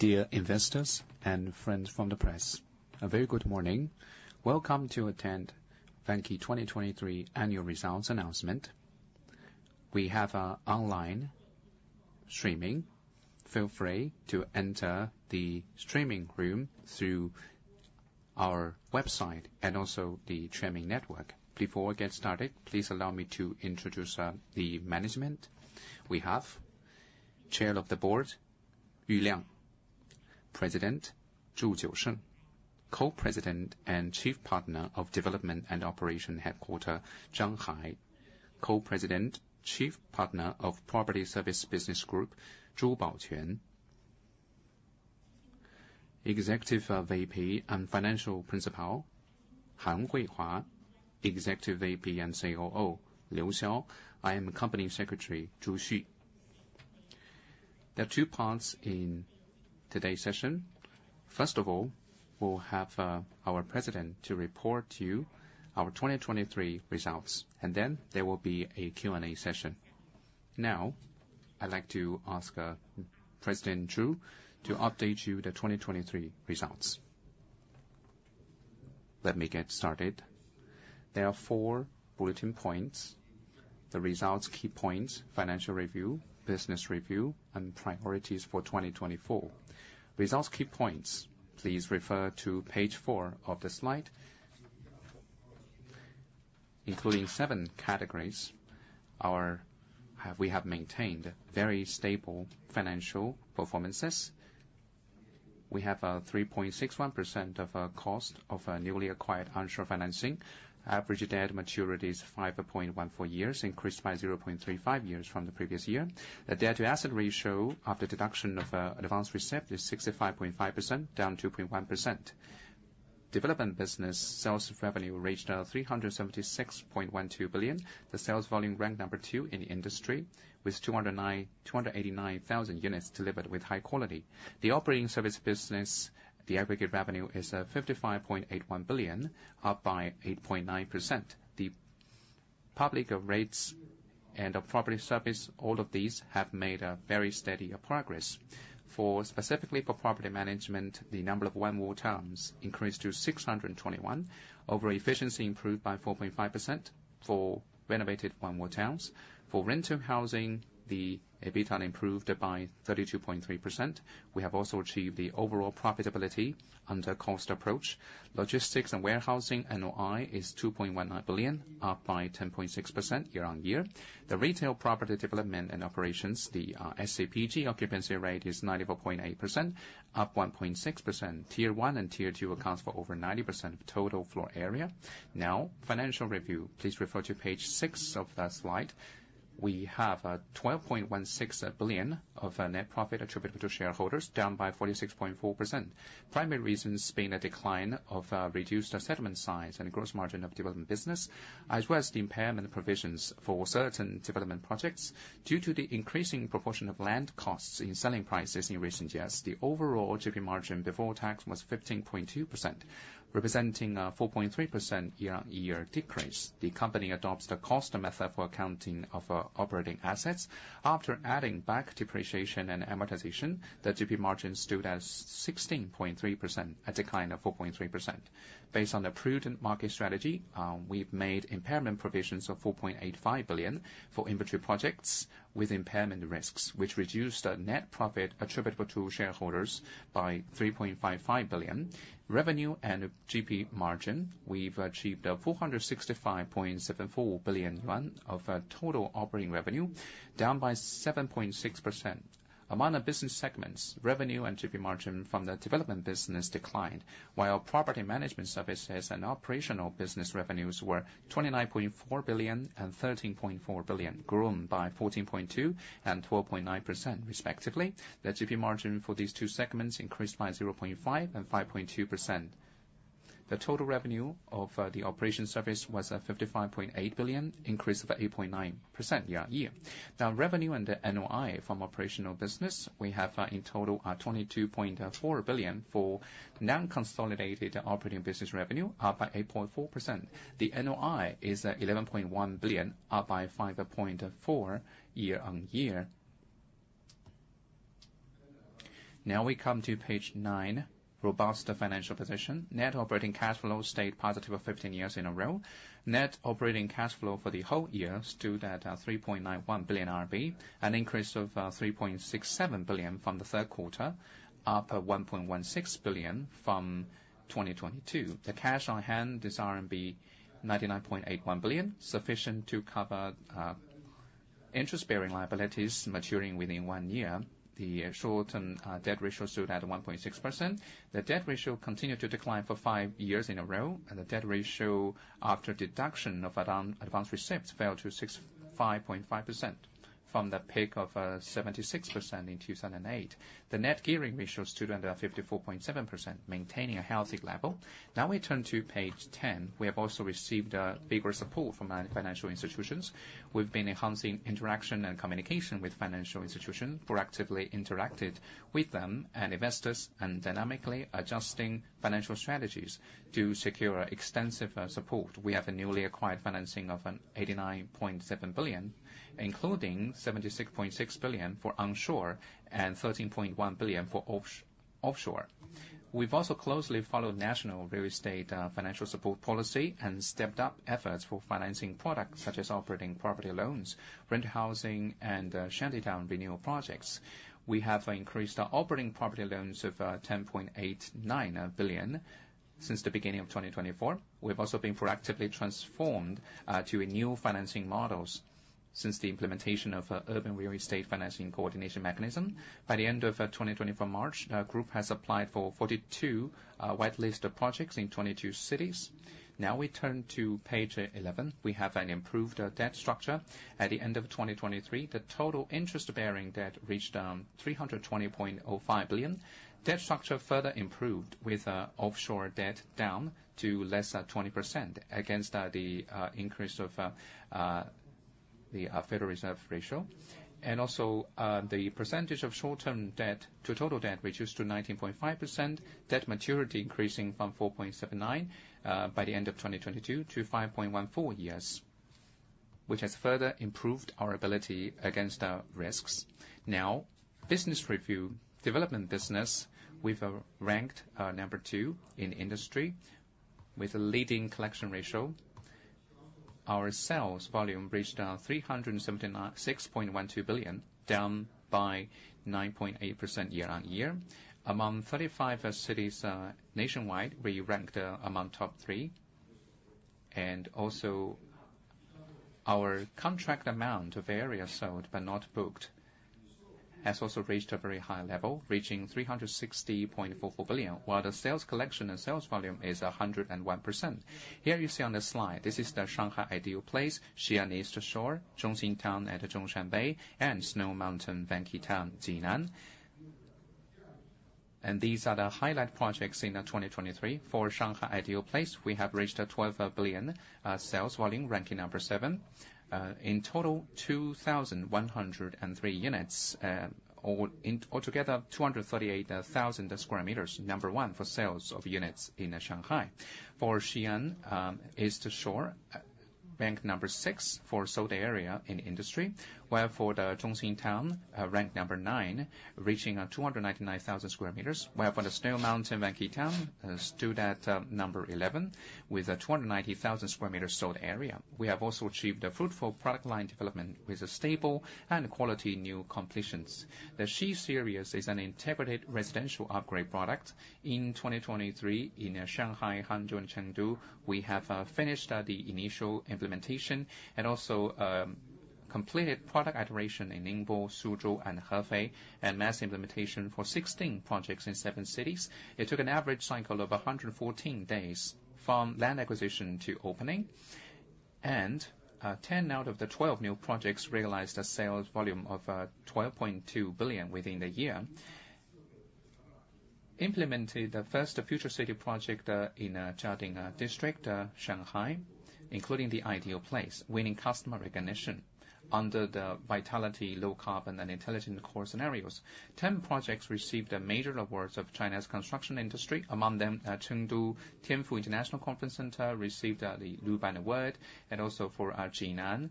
Dear investors and friends from the press, a very good morning. Welcome to attend Vanke 2023 annual results announcement. We have an online streaming. Feel free to enter the streaming room through our website and also the Quanjing Network. Before we get started, please allow me to introduce the management. We have Chair of the Board Yu Liang, President Zhu Jiusheng, Co-President and Chief Partner of Development and Operation Headquarters Zhang Hai, Co-President, Chief Partner of Property Service Business Group Zhu Baoquan, Executive VP and Financial Principal Han Huihua, Executive VP and COO Liu Xiao, and Company Secretary Zhu Xu. There are two parts in today's session. First of all, we'll have our president to report to you our 2023 results, and then there will be a Q&A session. Now, I'd like to ask President Zhu to update you the 2023 results. Let me get started. There are four bullet points: the results key points, financial review, business review, and priorities for 2024. Results key points: please refer to page four of the slide, including seven categories. We have maintained very stable financial performances. We have a 3.61% of cost of newly acquired onshore financing. Average debt maturity is 5.14 years, increased by 0.35 years from the previous year. The debt-to-asset ratio after deduction of advance receipt is 65.5%, down 2.1%. Development business sales revenue reached 376.12 billion. The sales volume ranked number two in the industry, with 289,000 units delivered with high quality. The operating service business, the aggregate revenue is 55.81 billion, up by 8.9%. The public offering of REITs and of property service, all of these have made very steady progress. Specifically for property management, the number of Wanwu Town increased to 621, overall efficiency improved by 4.5% for renovated Wanwu Town. For rental housing, the EBITDA improved by 32.3%. We have also achieved the overall profitability under cost approach. Logistics and warehousing NOI is 2.19 billion, up by 10.6% year-on-year. The retail property development and operations, the SCPG occupancy rate is 94.8%, up 1.6%. Tier 1 and Tier 2 accounts for over 90% of total floor area. Now, financial review. Please refer to page six of the slide. We have 12.16 billion of net profit attributable to shareholders, down by 46.4%. Primary reasons being a decline of reduced settlement size and gross margin of development business, as well as the impairment provisions for certain development projects. Due to the increasing proportion of land costs in selling prices in recent years, the overall GP margin before tax was 15.2%, representing a 4.3% year-on-year decrease. The company adopts the cost method for accounting of operating assets. After adding back depreciation and amortization, the GP margin stood at 16.3%, a decline of 4.3%. Based on the prudent market strategy, we've made impairment provisions of 4.85 billion for inventory projects with impairment risks, which reduced net profit attributable to shareholders by 3.55 billion. Revenue and GP margin: we've achieved 465.74 billion yuan of total operating revenue, down by 7.6%. Among the business segments, revenue and GP margin from the development business declined, while property management services and operational business revenues were 29.4 billion and 13.4 billion, grown by 14.2% and 12.9%, respectively. The GP margin for these two segments increased by 0.5% and 5.2%. The total revenue of the operation service was 55.8 billion, increased by 8.9% year-on-year. Now, revenue and the NOI from operational business: we have in total 22.4 billion for non-consolidated operating business revenue, up by 8.4%. The NOI is 11.1 billion, up by 5.4% year-on-year. Now we come to page nine, robust financial position. Net operating cash flow stayed positive for 15 years in a row. Net operating cash flow for the whole year stood at 3.91 billion RMB, an increase of 3.67 billion from the third quarter, up 1.16 billion from 2022. The cash on hand is RMB 99.81 billion, sufficient to cover interest-bearing liabilities maturing within one year. The short-term debt ratio stood at 1.6%. The debt ratio continued to decline for five years in a row, and the debt ratio after deduction of advance receipt fell to 65.5% from the peak of 76% in 2008. The net gearing ratio stood at 54.7%, maintaining a healthy level. Now we turn to page 10. We have also received bigger support from financial institutions. We've been enhancing interaction and communication with financial institutions, proactively interacting with them and investors, and dynamically adjusting financial strategies to secure extensive support. We have a newly acquired financing of 89.7 billion, including 76.6 billion for onshore and 13.1 billion for offshore. We've also closely followed national real estate financial support policy and stepped up efforts for financing products such as operating property loans, rental housing, and shantytown renewal projects. We have increased operating property loans of 10.89 billion since the beginning of 2024. We've also been proactively transformed to new financing models since the implementation of urban real estate financing coordination mechanism. By the end of March 2024, the group has applied for 42 whitelisted projects in 22 cities. Now we turn to page 11. We have an improved debt structure. At the end of 2023, the total interest-bearing debt reached 320.05 billion. Debt structure further improved, with offshore debt down to less than 20% against the increase of the Federal Reserve rate. The percentage of short-term debt to total debt reduced to 19.5%, debt maturity increasing from 4.79 years by the end of 2022 to 5.14 years, which has further improved our ability against risks. Now, business review: development business, we've ranked number two in industry with a leading collection ratio. Our sales volume reached 376.12 billion, down by 9.8% year-on-year. Among 35 cities nationwide, we ranked among top three. Our contract amount of areas sold but not booked has also reached a very high level, reaching 360.44 billion, while the sales collection and sales volume is 101%. Here you see on the slide, this is the Shanghai Ideal Place, Xi'an East Shore, Zhongxin Town at Zhongshan Bay, and Snow Mountain Vanke Town, Jinan. These are the highlight projects in 2023. For Shanghai Ideal Place, we have reached 12 billion sales volume, ranking number seven, in total 2,103 units, altogether 238,000 sqm, number one for sales of units in Shanghai. For Xi'an East Shore, ranked number six for sold area in industry, while for Zhongxin Town, ranked number nine, reaching 299,000 sqm, while for Snow Mountain Vanke Town, stood at number 11 with 290,000 sqm sold area. We have also achieved fruitful product line development with stable and quality new completions. The Xi Series is an integrated residential upgrade product. In 2023, in Shanghai, Hangzhou, and Chengdu, we have finished the initial implementation and also completed product iteration in Ningbo, Suzhou, and Hefei, and mass implementation for 16 projects in seven cities. It took an average cycle of 114 days from land acquisition to opening, and 10 out of the 12 new projects realized a sales volume of 12.2 billion within the year. Implemented the first future city project in Jiading District, Shanghai, including the Ideal Place, winning customer recognition. Under the vitality, low carbon, and intelligent core scenarios, 10 projects received major awards of China's construction industry. Among them, Chengdu Tianfu International Conference Center received the Luban Award, and also for Jinan,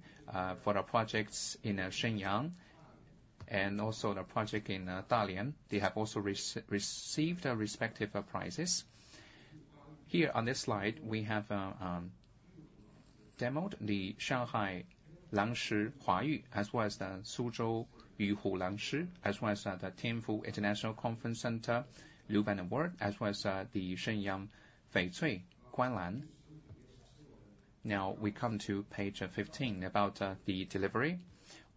for the projects in Shenyang and also the project in Dalian, they have also received respective prizes. Here on this slide, we have demoed the Shanghai Longhua Hui, as well as the Suzhou Yuhu Lanshi, as well as the Tianfu International Conference Center Luban Award, as well as the Shenyang Feicui Guanlan. Now we come to page 15 about the delivery.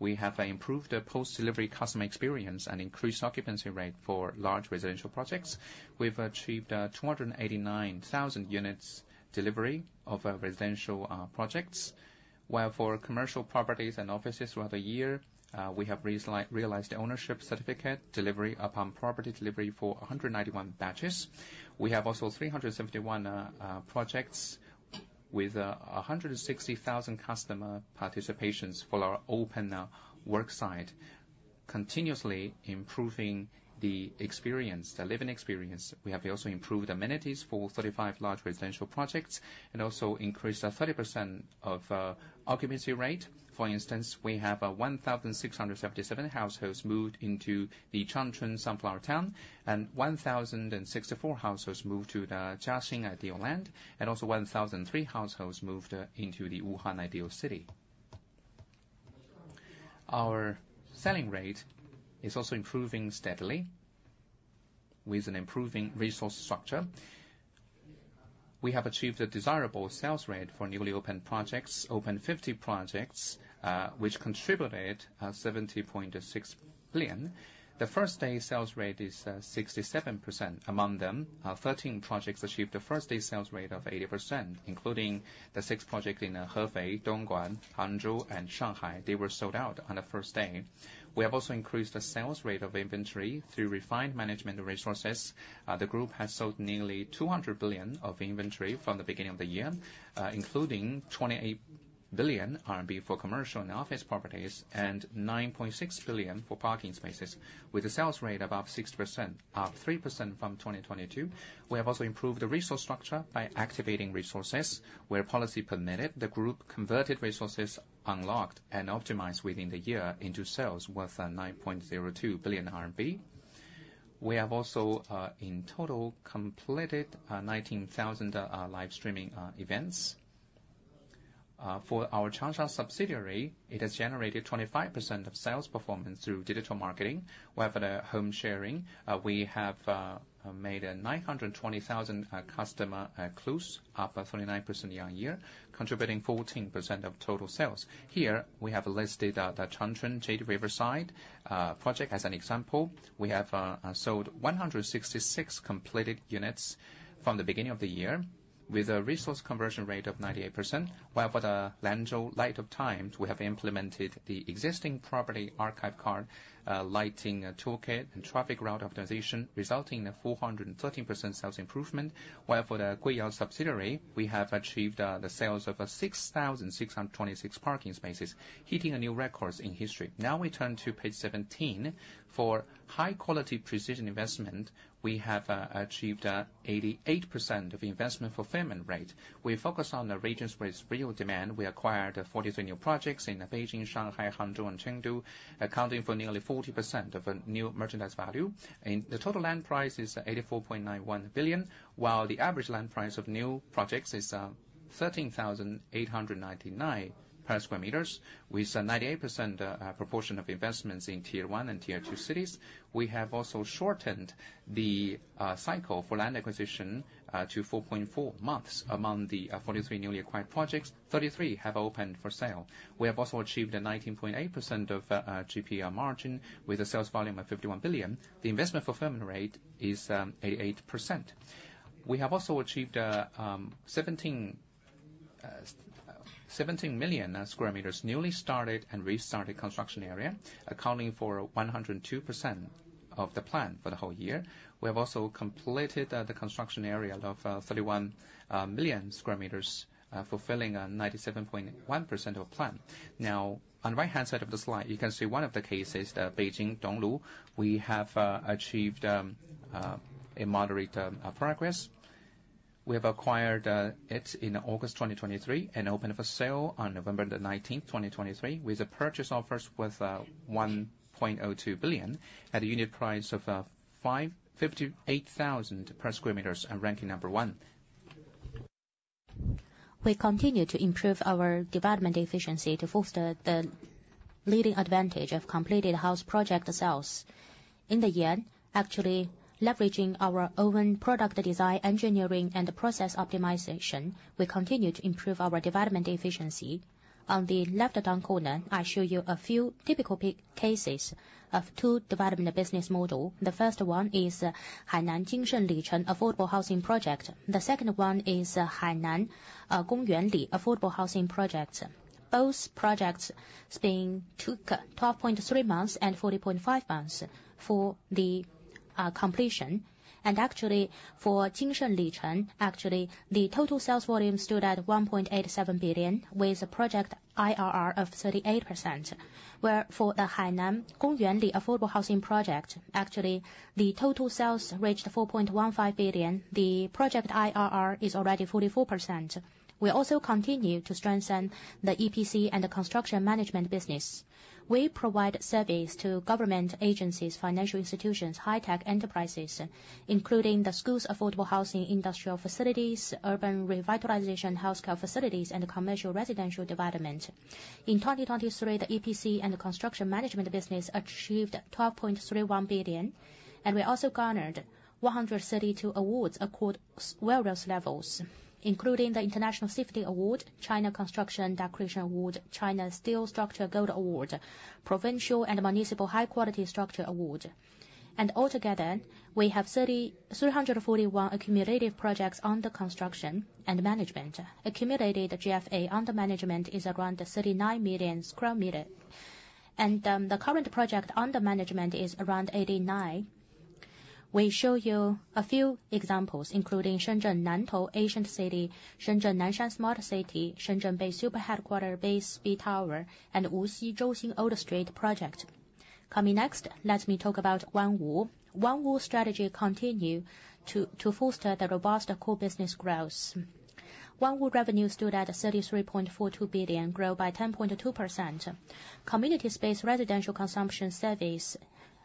We have improved post-delivery customer experience and increased occupancy rate for large residential projects. We've achieved 289,000 units delivery of residential projects, while for commercial properties and offices throughout the year, we have realized ownership certificate delivery upon property delivery for 191 batches. We have also 371 projects with 160,000 customer participations for our open worksite, continuously improving the living experience. We have also improved amenities for 35 large residential projects and also increased 30% of occupancy rate. For instance, we have 1,677 households moved into the Changchun Sunflower Town, and 1,064 households moved to the Jiaxing Ideal Land, and also 1,003 households moved into the Wuhan Ideal City. Our selling rate is also improving steadily with an improving resource structure. We have achieved a desirable sales rate for newly opened projects, opened 50 projects, which contributed 70.6 billion. The first-day sales rate is 67%. Among them, 13 projects achieved the first-day sales rate of 80%, including the six projects in Hefei, Dongguan, Hangzhou, and Shanghai. They were sold out on the first day. We have also increased the sales rate of inventory through refined management resources. The group has sold RMB nearly 200 billion of inventory from the beginning of the year, including 28 billion RMB for commercial and office properties and 9.6 billion for parking spaces, with a sales rate above 60%, up 3% from 2022. We have also improved the resource structure by activating resources. Where policy permitted, the group converted resources, unlocked, and optimized within the year into sales worth 9.02 billion RMB. We have also, in total, completed 19,000 live streaming events. For our Changsha subsidiary, it has generated 25% of sales performance through digital marketing. While for the Home Sharing, we have made 920,000 customer clues, up 39% year-on-year, contributing 14% of total sales. Here, we have listed the Changchun Jade Riverside project as an example. We have sold 166 completed units from the beginning of the year with a resource conversion rate of 98%. While for the Lanzhou Light of Times, we have implemented the existing property archive card lighting toolkit and traffic route optimization, resulting in a 413% sales improvement. While for the Guiyang subsidiary, we have achieved the sales of 6,626 parking spaces, hitting a new record in history. Now we turn to page 17. For high-quality, precision investment, we have achieved 88% of investment fulfillment rate. We focus on the regions where it's real demand. We acquired 43 new projects in Beijing, Shanghai, Hangzhou, and Chengdu, accounting for nearly 40% of new merchandise value. The total land price is 84.91 billion, while the average land price of new projects is 13,899 per sqm. With 98% proportion of investments in Tier 1 and Tier 2 cities, we have also shortened the cycle for land acquisition to 4.4 months. Among the 43 newly acquired projects, 33 have opened for sale. We have also achieved 19.8% of GP margin with a sales volume of 51 billion. The investment fulfillment rate is 88%. We have also achieved 17 million sqm newly started and restarted construction area, accounting for 102% of the plan for the whole year. We have also completed the construction area of 31 million sqm, fulfilling 97.1% of the plan. Now, on the right-hand side of the slide, you can see one of the cases, Beijing, Dongba. We have achieved a moderate progress. We have acquired it in August 2023 and opened for sale on November 19, 2023, with a purchase office worth 1.02 billion at a unit price of 58,000 per square meter and ranking number one. We continue to improve our development efficiency to foster the leading advantage of completed house project sales. In the end, actually leveraging our own product design engineering and process optimization, we continue to improve our development efficiency. On the left-hand corner, I show you a few typical cases of two development business models. The first one is Hainan Vanke Jinse Licheng affordable housing project. The second one is Hainan Vanke Gongyuan Li affordable housing project. Both projects took 12.3 months and 40.5 months for the completion. And actually, for Jinse Licheng, actually the total sales volume stood at 1.87 billion with a project IRR of 38%. While for the Hainan Gongyuan Li affordable housing project, actually the total sales reached 4.15 billion. The project IRR is already 44%. We also continue to strengthen the EPC and the construction management business. We provide services to government agencies, financial institutions, high-tech enterprises, including the schools' affordable housing industrial facilities, urban revitalization healthcare facilities, and commercial residential development. In 2023, the EPC and the construction management business achieved 12.31 billion. We also garnered 132 awards accorded at various levels, including the International Safety Award, China Construction Decoration Award, China Steel Structure Gold Award, Provincial and Municipal High-Quality Structure Award. Altogether, we have 341 accumulative projects under construction and management. Accumulated GFA under management is around 39 million sqm. The current project under management is around 89. We show you a few examples, including Shenzhen Nantou Ancient City, Shenzhen Nanshan Smart City, Shenzhen Bay Super Headquarters Base B Tower, and Wuxi Zhouxin Old Street project. Coming next, let me talk about Wanwu. Wanwu's strategy continues to foster the robust core business growth. Wanwu revenue stood at 33.42 billion, growth by 10.2%. Community space residential consumption service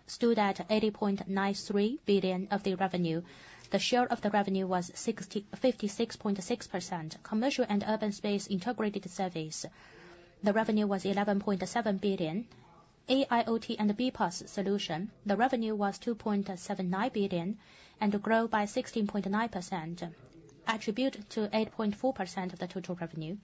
stood at 80.93 billion of the revenue. The share of the revenue was 56.6%. Commercial and urban space integrated service, the revenue was 11.7 billion. AIoT and BPaaS solution, the revenue was 2.79 billion, and growth by 16.9%, attribute to 8.4% of the total revenue.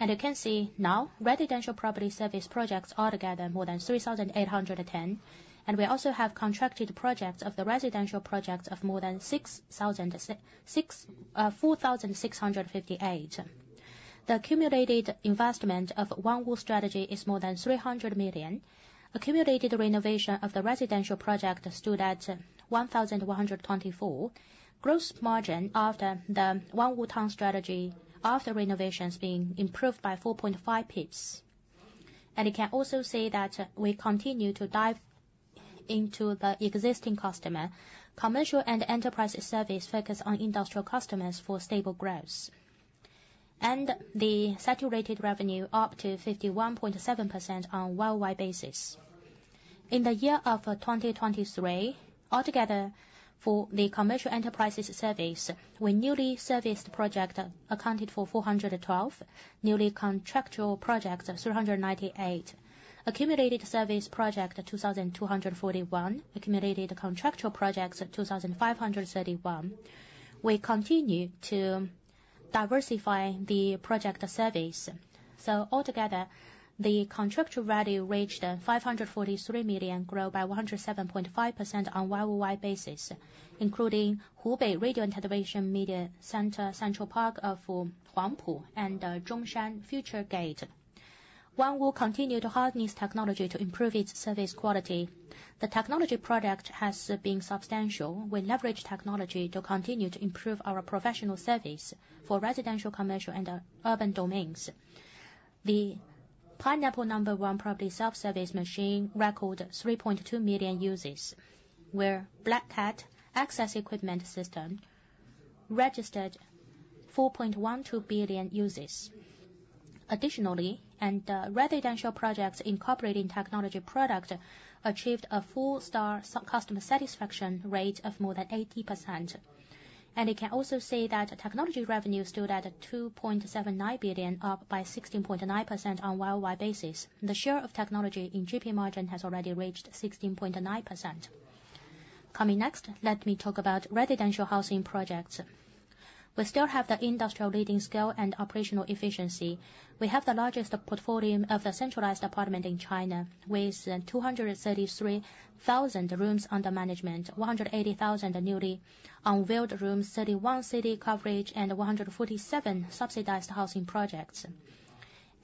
And you can see now, residential property service projects altogether more than 3,810. And we also have contracted projects of the residential projects of more than 4,658. The accumulated investment of Wanwu's strategy is more than 300 million. Accumulated renovation of the residential project stood at 1,124. Gross margin of the Wanwu Town strategy after renovations being improved by 4.5 percentage points. You can also see that we continue to dive into the existing customer. Commercial and enterprise service focus on industrial customers for stable growth. The saturated revenue is up to 51.7% on a worldwide basis. In the year of 2023, altogether for the commercial enterprises service, we newly serviced projects accounted for 412, newly contractual projects 398, accumulated service projects 2,241, accumulated contractual projects 2,531. We continue to diversify the project service. Altogether, the contractual value reached 543 million, growth by 107.5% on a worldwide basis, including Hubei Radio and Television Media Center, Central Park of Huangpu, and Zhongshan Future Gate. Wanwu continues to harness technology to improve its service quality. The technology product has been substantial. We leverage technology to continue to improve our professional service for residential, commercial, and urban domains. The Pineapple No. 1 Property Self-Service Machine recorded 3.2 million uses, where Black Cat Access Equipment System registered 4.12 billion uses. Additionally, residential projects incorporating technology products achieved a four-star customer satisfaction rate of more than 80%. You can also see that technology revenue stood at 2.79 billion, up by 16.9% on a worldwide basis. The share of technology in GP margin has already reached 16.9%. Coming next, let me talk about residential housing projects. We still have the industry-leading scale and operational efficiency. We have the largest portfolio of the centralized apartment in China, with 233,000 rooms under management, 180,000 newly unveiled rooms, 31-city coverage, and 147 subsidized housing projects.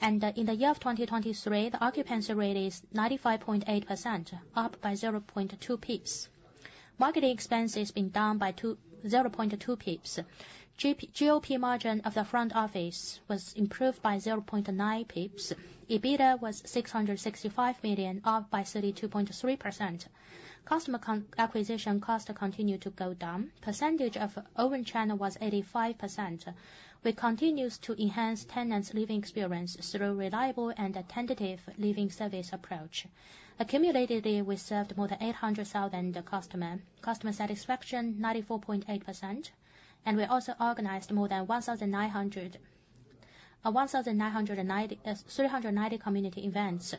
In the year of 2023, the occupancy rate is 95.8%, up by 0.2 percentage points. Marketing expense has been down by 0.2 percentage points. GP margin of the front office was improved by 0.9 percentage points. EBITDA was 665 million, up by 32.3%. Customer acquisition costs continue to go down. Percentage of open channel was 85%. We continue to enhance tenants' living experience through a reliable and attentive living service approach. Accumulatively, we served more than 800,000 customers. Customer satisfaction is 94.8%. We also organized more than 1,990 community events.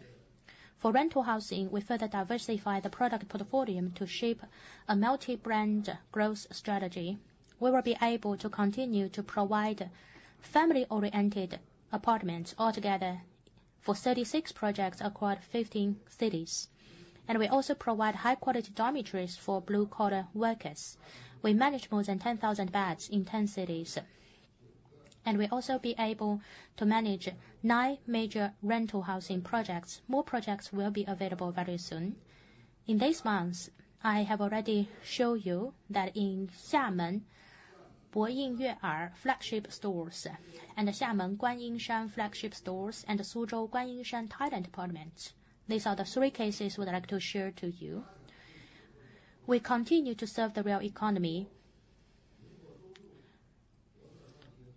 For rental housing, we further diversify the product portfolio to shape a multi-brand growth strategy. We will be able to continue to provide family-oriented apartments altogether for 36 projects across 15 cities. We also provide high-quality dormitories for blue-collar workers. We manage more than 10,000 beds in 10 cities. We will also be able to manage nine major rental housing projects. More projects will be available very soon. In these months, I have already shown you that in Xiamen, Boyu Yingyue Flagship Stores, and Xiamen, Guanyin Shan Flagship Stores, and Suzhou, Guanyin Shan Talent Apartment, these are the three cases we'd like to share to you. We continue to serve the real economy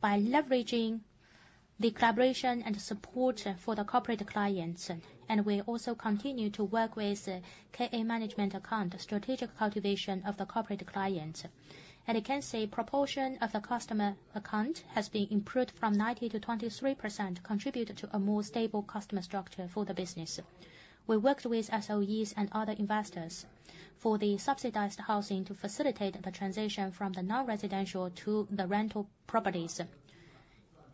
by leveraging the collaboration and support for the corporate clients. We also continue to work with KA Management Account, strategic cultivation of the corporate clients. You can see proportion of the customer account has been improved from 90%-23%, contributing to a more stable customer structure for the business. We worked with SOEs and other investors for the subsidized housing to facilitate the transition from the non-residential to the rental properties.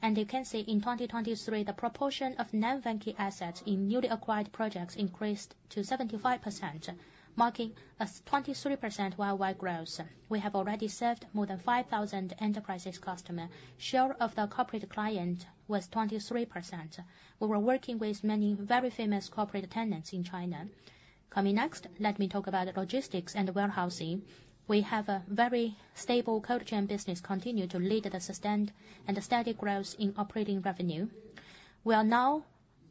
You can see in 2023, the proportion of Vanke assets in newly acquired projects increased to 75%, marking a 23% worldwide growth. We have already served more than 5,000 enterprise customers. Share of the corporate clients was 23%. We were working with many very famous corporate tenants in China. Coming next, let me talk about logistics and warehousing. We have a very stable cold chain business continuing to lead the sustained and steady growth in operating revenue. We now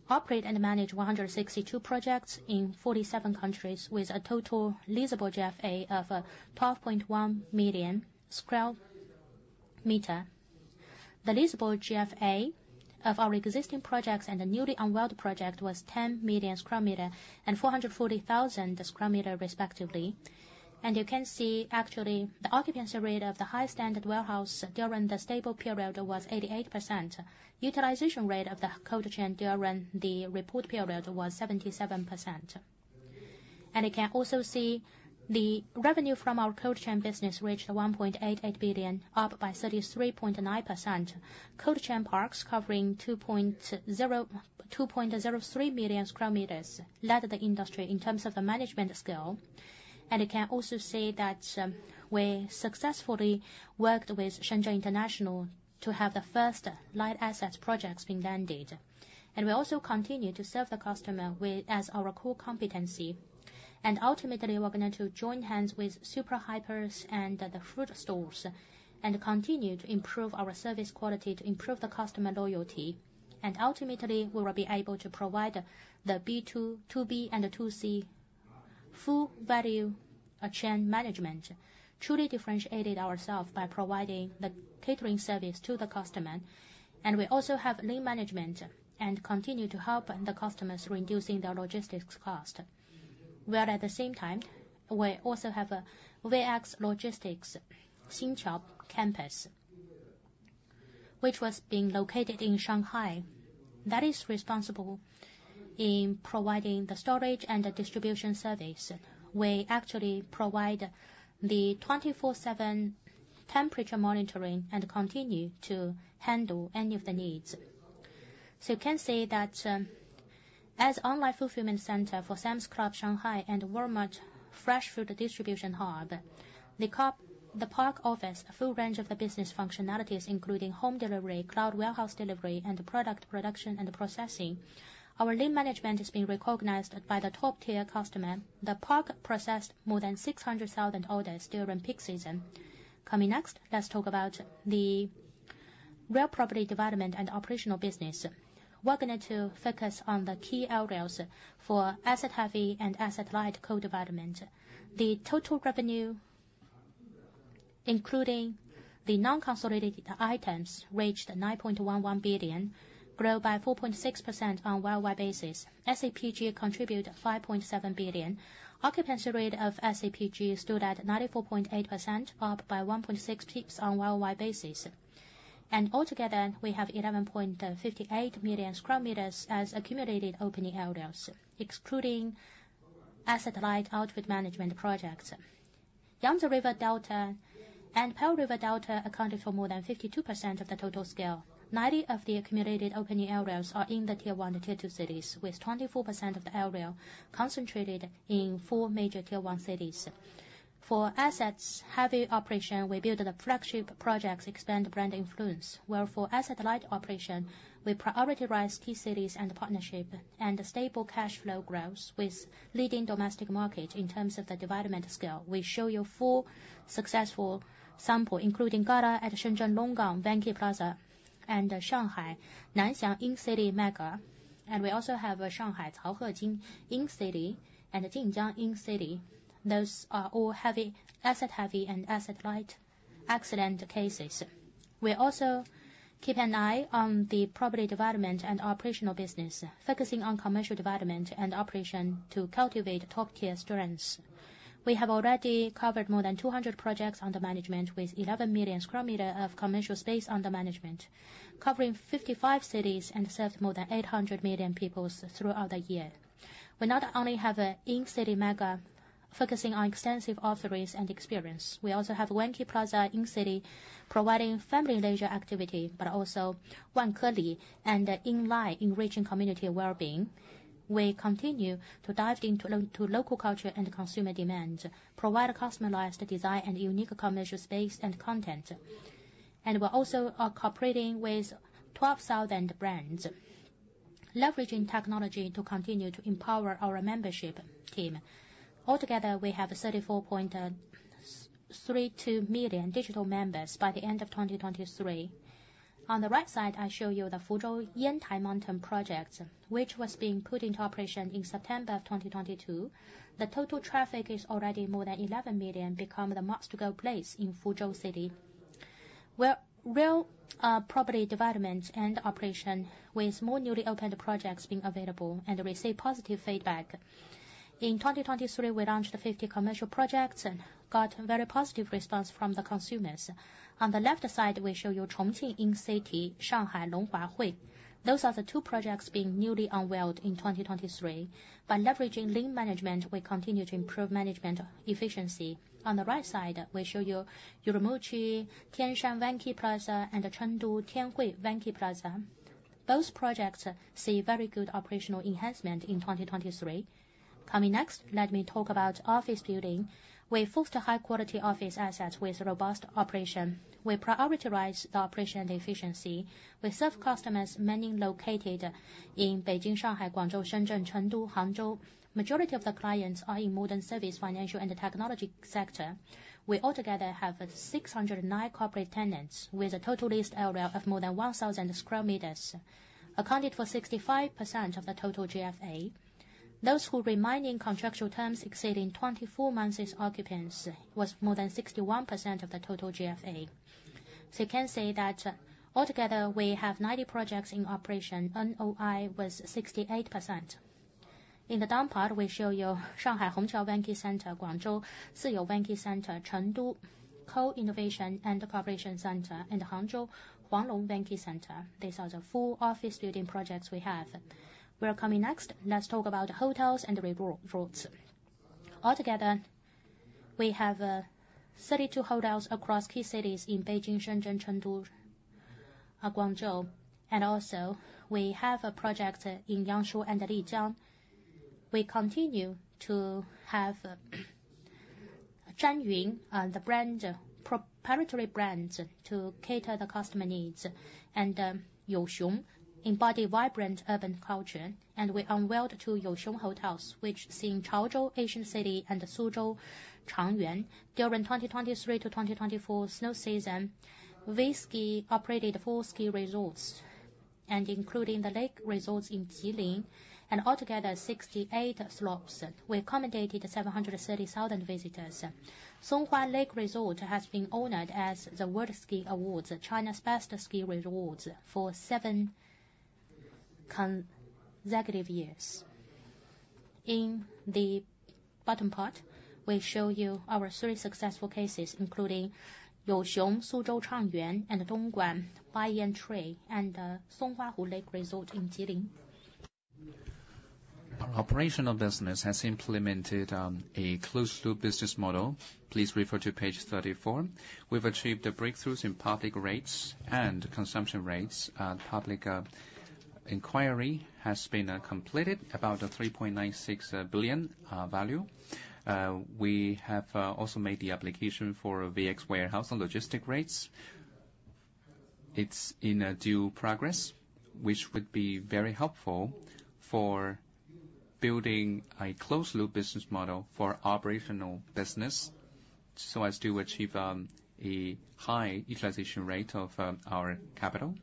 operate and manage 162 projects in 47 cities, with a total leasable GFA of 12.1 million sqm. The leasable GFA of our existing projects and the newly unveiled projects was 10 million sqm and 440,000 sqm, respectively. And you can see, actually, the occupancy rate of the high-standard warehouse during the stable period was 88%. Utilization rate of the cold chain during the report period was 77%. And you can also see the revenue from our cold chain business reached 1.88 billion, up by 33.9%. Cold chain parks covering 2.03 million sqm led the industry in terms of the management scale. You can also see that we successfully worked with Shenzhen International Holdings to have the first light assets projects being landed. We also continue to serve the customer as our core competency. Ultimately, we're going to join hands with Supermarkets and Hypermarkets and the fruit stores and continue to improve our service quality to improve the customer loyalty. Ultimately, we will be able to provide the B2B and 2C full value chain management, truly differentiating ourselves by providing the catering service to the customer. We also have lean management and continue to help the customers reduce their logistics cost. While at the same time, we also have a VX Logistics Xinchang campus, which was being located in Shanghai, that is responsible for providing the storage and distribution service. We actually provide the 24/7 temperature monitoring and continue to handle any of the needs. So you can see that as Online Fulfillment Center for Sam's Club Shanghai and Walmart Fresh Food Distribution Hub, the park offers a full range of the business functionalities, including home delivery, cloud warehouse delivery, and product production and processing. Our lean management has been recognized by the top-tier customers. The park processed more than 600,000 orders during peak season. Coming next, let's talk about the real property development and operational business. We're going to focus on the key areas for asset-heavy and asset-light co-development. The total revenue, including the non-consolidated items, reached 9.11 billion, growth by 4.6% on a worldwide basis. SCPG contributed 5.7 billion. Occupancy rate of SCPG stood at 94.8%, up by 1.6 percentage points on a worldwide basis. Altogether, we have 11.58 million sqm as accumulated opening areas, excluding asset-light outfit management projects. Yangtze River Delta and Pearl River Delta accounted for more than 52% of the total scale. 90% of the accumulated opening areas are in the Tier 1 and Tier 2 cities, with 24% of the area concentrated in four major Tier 1 cities. For asset-heavy operations, we build the flagship projects to expand brand influence. While for asset-light operations, we prioritize key cities and partnerships and stable cash flow growth with leading domestic markets in terms of the development scale. We show you four successful samples, including Gala at Shenzhen Longgang Vanke Plaza and Shanghai Nanxiang Incity Mega. We also have Shanghai Caohejing Incity and Jinjiang Incity. Those are all asset-heavy and asset-light excellent cases. We also keep an eye on the property development and operational business, focusing on commercial development and operation to cultivate top-tier strengths. We have already covered more than 200 projects under management with 11 million sqm of commercial space under management, covering 55 cities and serving more than 800 million people throughout the year. We not only have an Incity Mega focusing on extensive authorities and experience. We also have Vanke Plaza Incity providing family leisure activities, but also Vanke Li and Inlane enriching community well-being. We continue to dive into local culture and consumer demands, providing customized design and unique commercial space and content. We're also cooperating with 12,000 brands, leveraging technology to continue to empower our membership team. Altogether, we have 34.32 million digital members by the end of 2023. On the right side, I show you the Fuzhou Yantai Mountain projects, which was being put into operation in September of 2022. The total traffic is already more than 11 million, becoming the must-go place in Fuzhou City. We're real property development and operation with more newly opened projects being available and receiving positive feedback. In 2023, we launched 50 commercial projects and got very positive responses from the consumers. On the left side, we show you Chongqing Incity, Shanghai Longhua Hui. Those are the two projects being newly unveiled in 2023. By leveraging lean management, we continue to improve management efficiency. On the right side, we show you Urumqi, Tianshan Vanke Plaza, and Chengdu Tianfu Vanke Plaza. Both projects see very good operational enhancements in 2023. Coming next, let me talk about office building. We focus on high-quality office assets with robust operations. We prioritize the operation and efficiency. We serve customers, many located in Beijing, Shanghai, Guangzhou, Shenzhen, Chengdu, Hangzhou. The majority of the clients are in modern service, financial, and technology sectors. We altogether have 609 corporate tenants with a total leased area of more than 1,000 sqm, accounting for 65% of the total GFA. Those who remain in contractual terms exceeding 24 months' occupancy were more than 61% of the total GFA. So you can see that altogether, we have 90 projects in operation, NOI was 68%. In the down part, we show you Shanghai Hongqiao Vanke Center, Guangzhou Siyou Vanke Center, Chengdu Co-Innovation and Cooperation Center, and Hangzhou Huanglong Vanke Center. These are the four office building projects we have. Well, coming next, let's talk about hotels and resorts. Altogether, we have 32 hotels across key cities in Beijing, Shenzhen, Chengdu, Guangzhou. Also, we have a project in Yangshuo and Lijiang. We continue to have Zhanyun, the proprietary brand to cater the customer needs, and Youxiong, embodying vibrant urban culture. And we unveiled two Youxiong hotels, which, seeing Chaozhou Ancient City and Suzhou Changyuan during 2023-2024 snow season, operated four ski resorts, including the lake resorts in Jilin and altogether 68 slopes. We accommodated 730,000 visitors. Songhua Lake Resort has been honored as the World Ski Awards' China's Best Ski Resort for seven consecutive years. In the bottom part, we show you our three successful cases, including Youxiong, Suzhou Changyuan, and Dongguan, Banyan Tree, and Songhua Lake Resort in Jilin. Our operational business has implemented a closed-loop business model. Please refer to page 34. We've achieved breakthroughs in public REITs and consumption REITs. Public inquiry has been completed about 3.96 billion value. We have also made the application for VX warehouse and logistics REITs. It's in due progress, which would be very helpful for building a closed-loop business model for operational business so as to achieve a high utilization rate of our capital.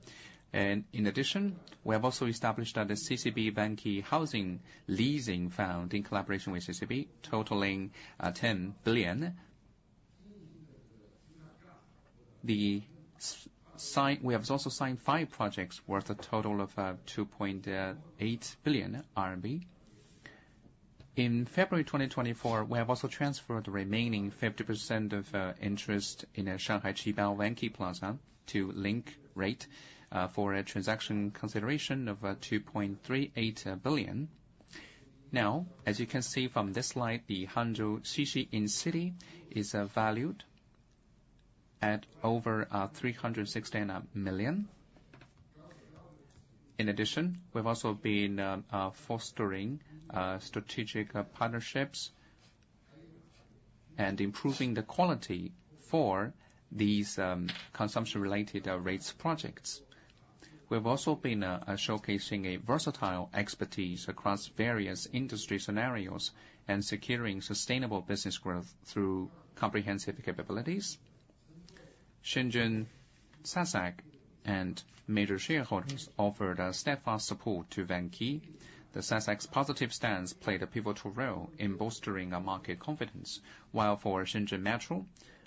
In addition, we have also established a CCB Vanke Housing Leasing Fund in collaboration with CCB, totaling RMB 10 billion. We have also signed five projects worth a total of 2.8 billion RMB. In February 2024, we have also transferred the remaining 50% of interest in Shanghai Qibao Vanke Plaza to Link REIT for a transaction consideration of 2.38 billion. Now, as you can see from this slide, the Hangzhou Xixi Incity is valued at over 316 million. In addition, we've also been fostering strategic partnerships and improving the quality for these consumption-related REITs projects. We've also been showcasing a versatile expertise across various industry scenarios and securing sustainable business growth through comprehensive capabilities. Shenzhen SASAC and major shareholders offered steadfast support to Vanke. The SASAC's positive stance played a pivotal role in bolstering market confidence. While for Shenzhen Metro,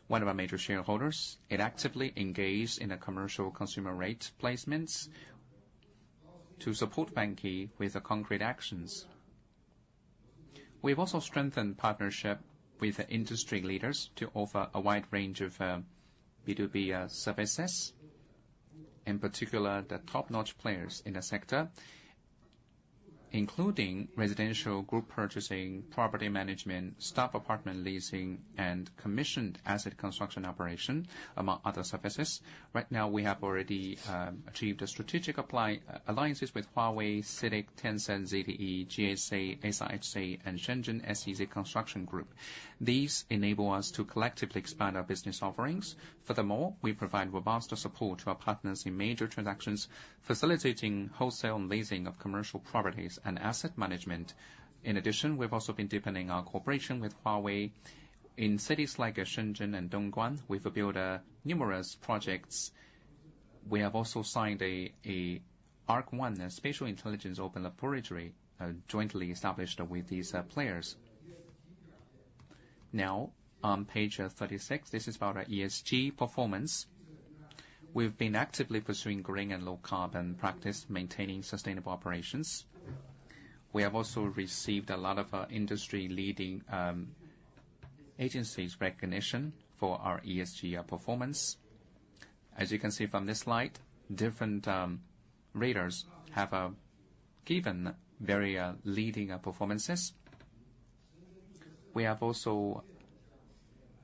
one of our major shareholders, it actively engaged in commercial consumer rate placements to support Vanke with concrete actions. We've also strengthened partnerships with industry leaders to offer a wide range of B2B services, in particular the top-notch players in the sector, including residential group purchasing, property management, staff apartment leasing, and commissioned asset construction operation, among other services. Right now, we have already achieved strategic alliances with Huawei, CITIC, Tencent, ZTE, GIC, SIHC, and Shenzhen SEZ Construction Group. These enable us to collectively expand our business offerings. Furthermore, we provide robust support to our partners in major transactions, facilitating wholesale leasing of commercial properties and asset management. In addition, we've also been deepening our cooperation with Huawei. In cities like Shenzhen and Dongguan, we've built numerous projects. We have also signed an Ark-1 spatial intelligence open laboratory, jointly established with these players. Now, on page 36, this is about our ESG performance. We've been actively pursuing green and low-carbon practices, maintaining sustainable operations. We have also received a lot of industry-leading agencies' recognition for our ESG performance. As you can see from this slide, different raters have given very leading performances. We have also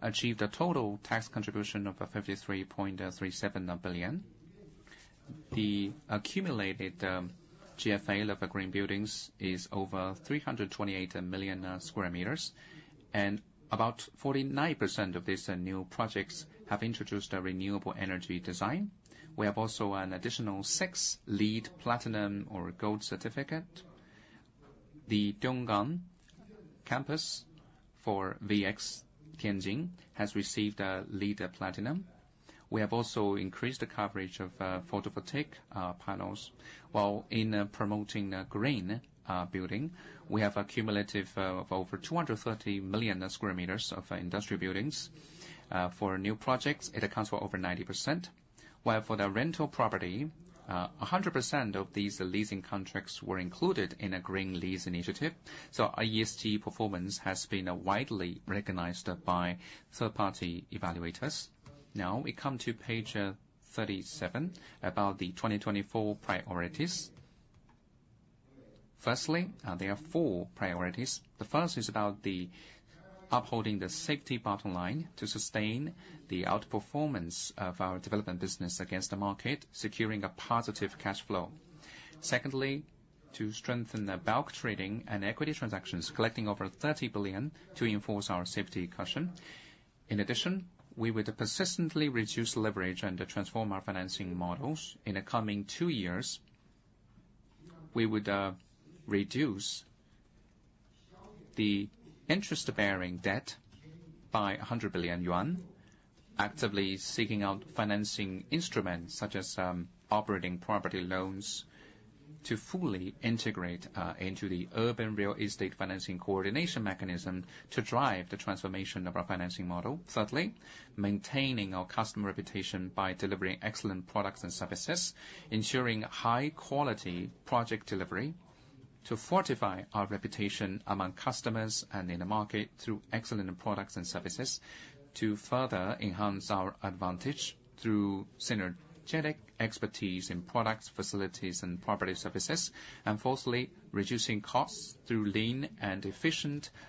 achieved a total tax contribution of 53.37 billion. The accumulated GFA of green buildings is over 328 million sqm, and about 49% of these new projects have introduced a renewable energy design. We have also an additional six LEED Platinum or Gold certificates. The Dongguan campus for VX Tianjin has received a LEED Platinum. We have also increased the coverage of photovoltaic panels. While in promoting green building, we have an accumulative of over 230 million sqm of industrial buildings. For new projects, it accounts for over 90%. While for the rental property, 100% of these leasing contracts were included in a green lease initiative. So our ESG performance has been widely recognized by third-party evaluators. Now, we come to page 37 about the 2024 priorities. Firstly, there are four priorities. The first is about upholding the safety bottom line to sustain the outperformance of our development business against the market, securing a positive cash flow. Secondly, to strengthen bulk trading and equity transactions, collecting over 30 billion to enforce our safety caution. In addition, we would persistently reduce leverage and transform our financing models. In the coming two years, we would reduce the interest-bearing debt by 100 billion yuan, actively seeking out financing instruments such as operating property loans to fully integrate into the urban real estate financing coordination mechanism to drive the transformation of our financing model. Thirdly, maintaining our customer reputation by delivering excellent products and services, ensuring high-quality project delivery to fortify our reputation among customers and in the market through excellent products and services, to further enhance our advantage through synergetic expertise in products, facilities, and property services. And fourthly, reducing costs through lean and efficient operation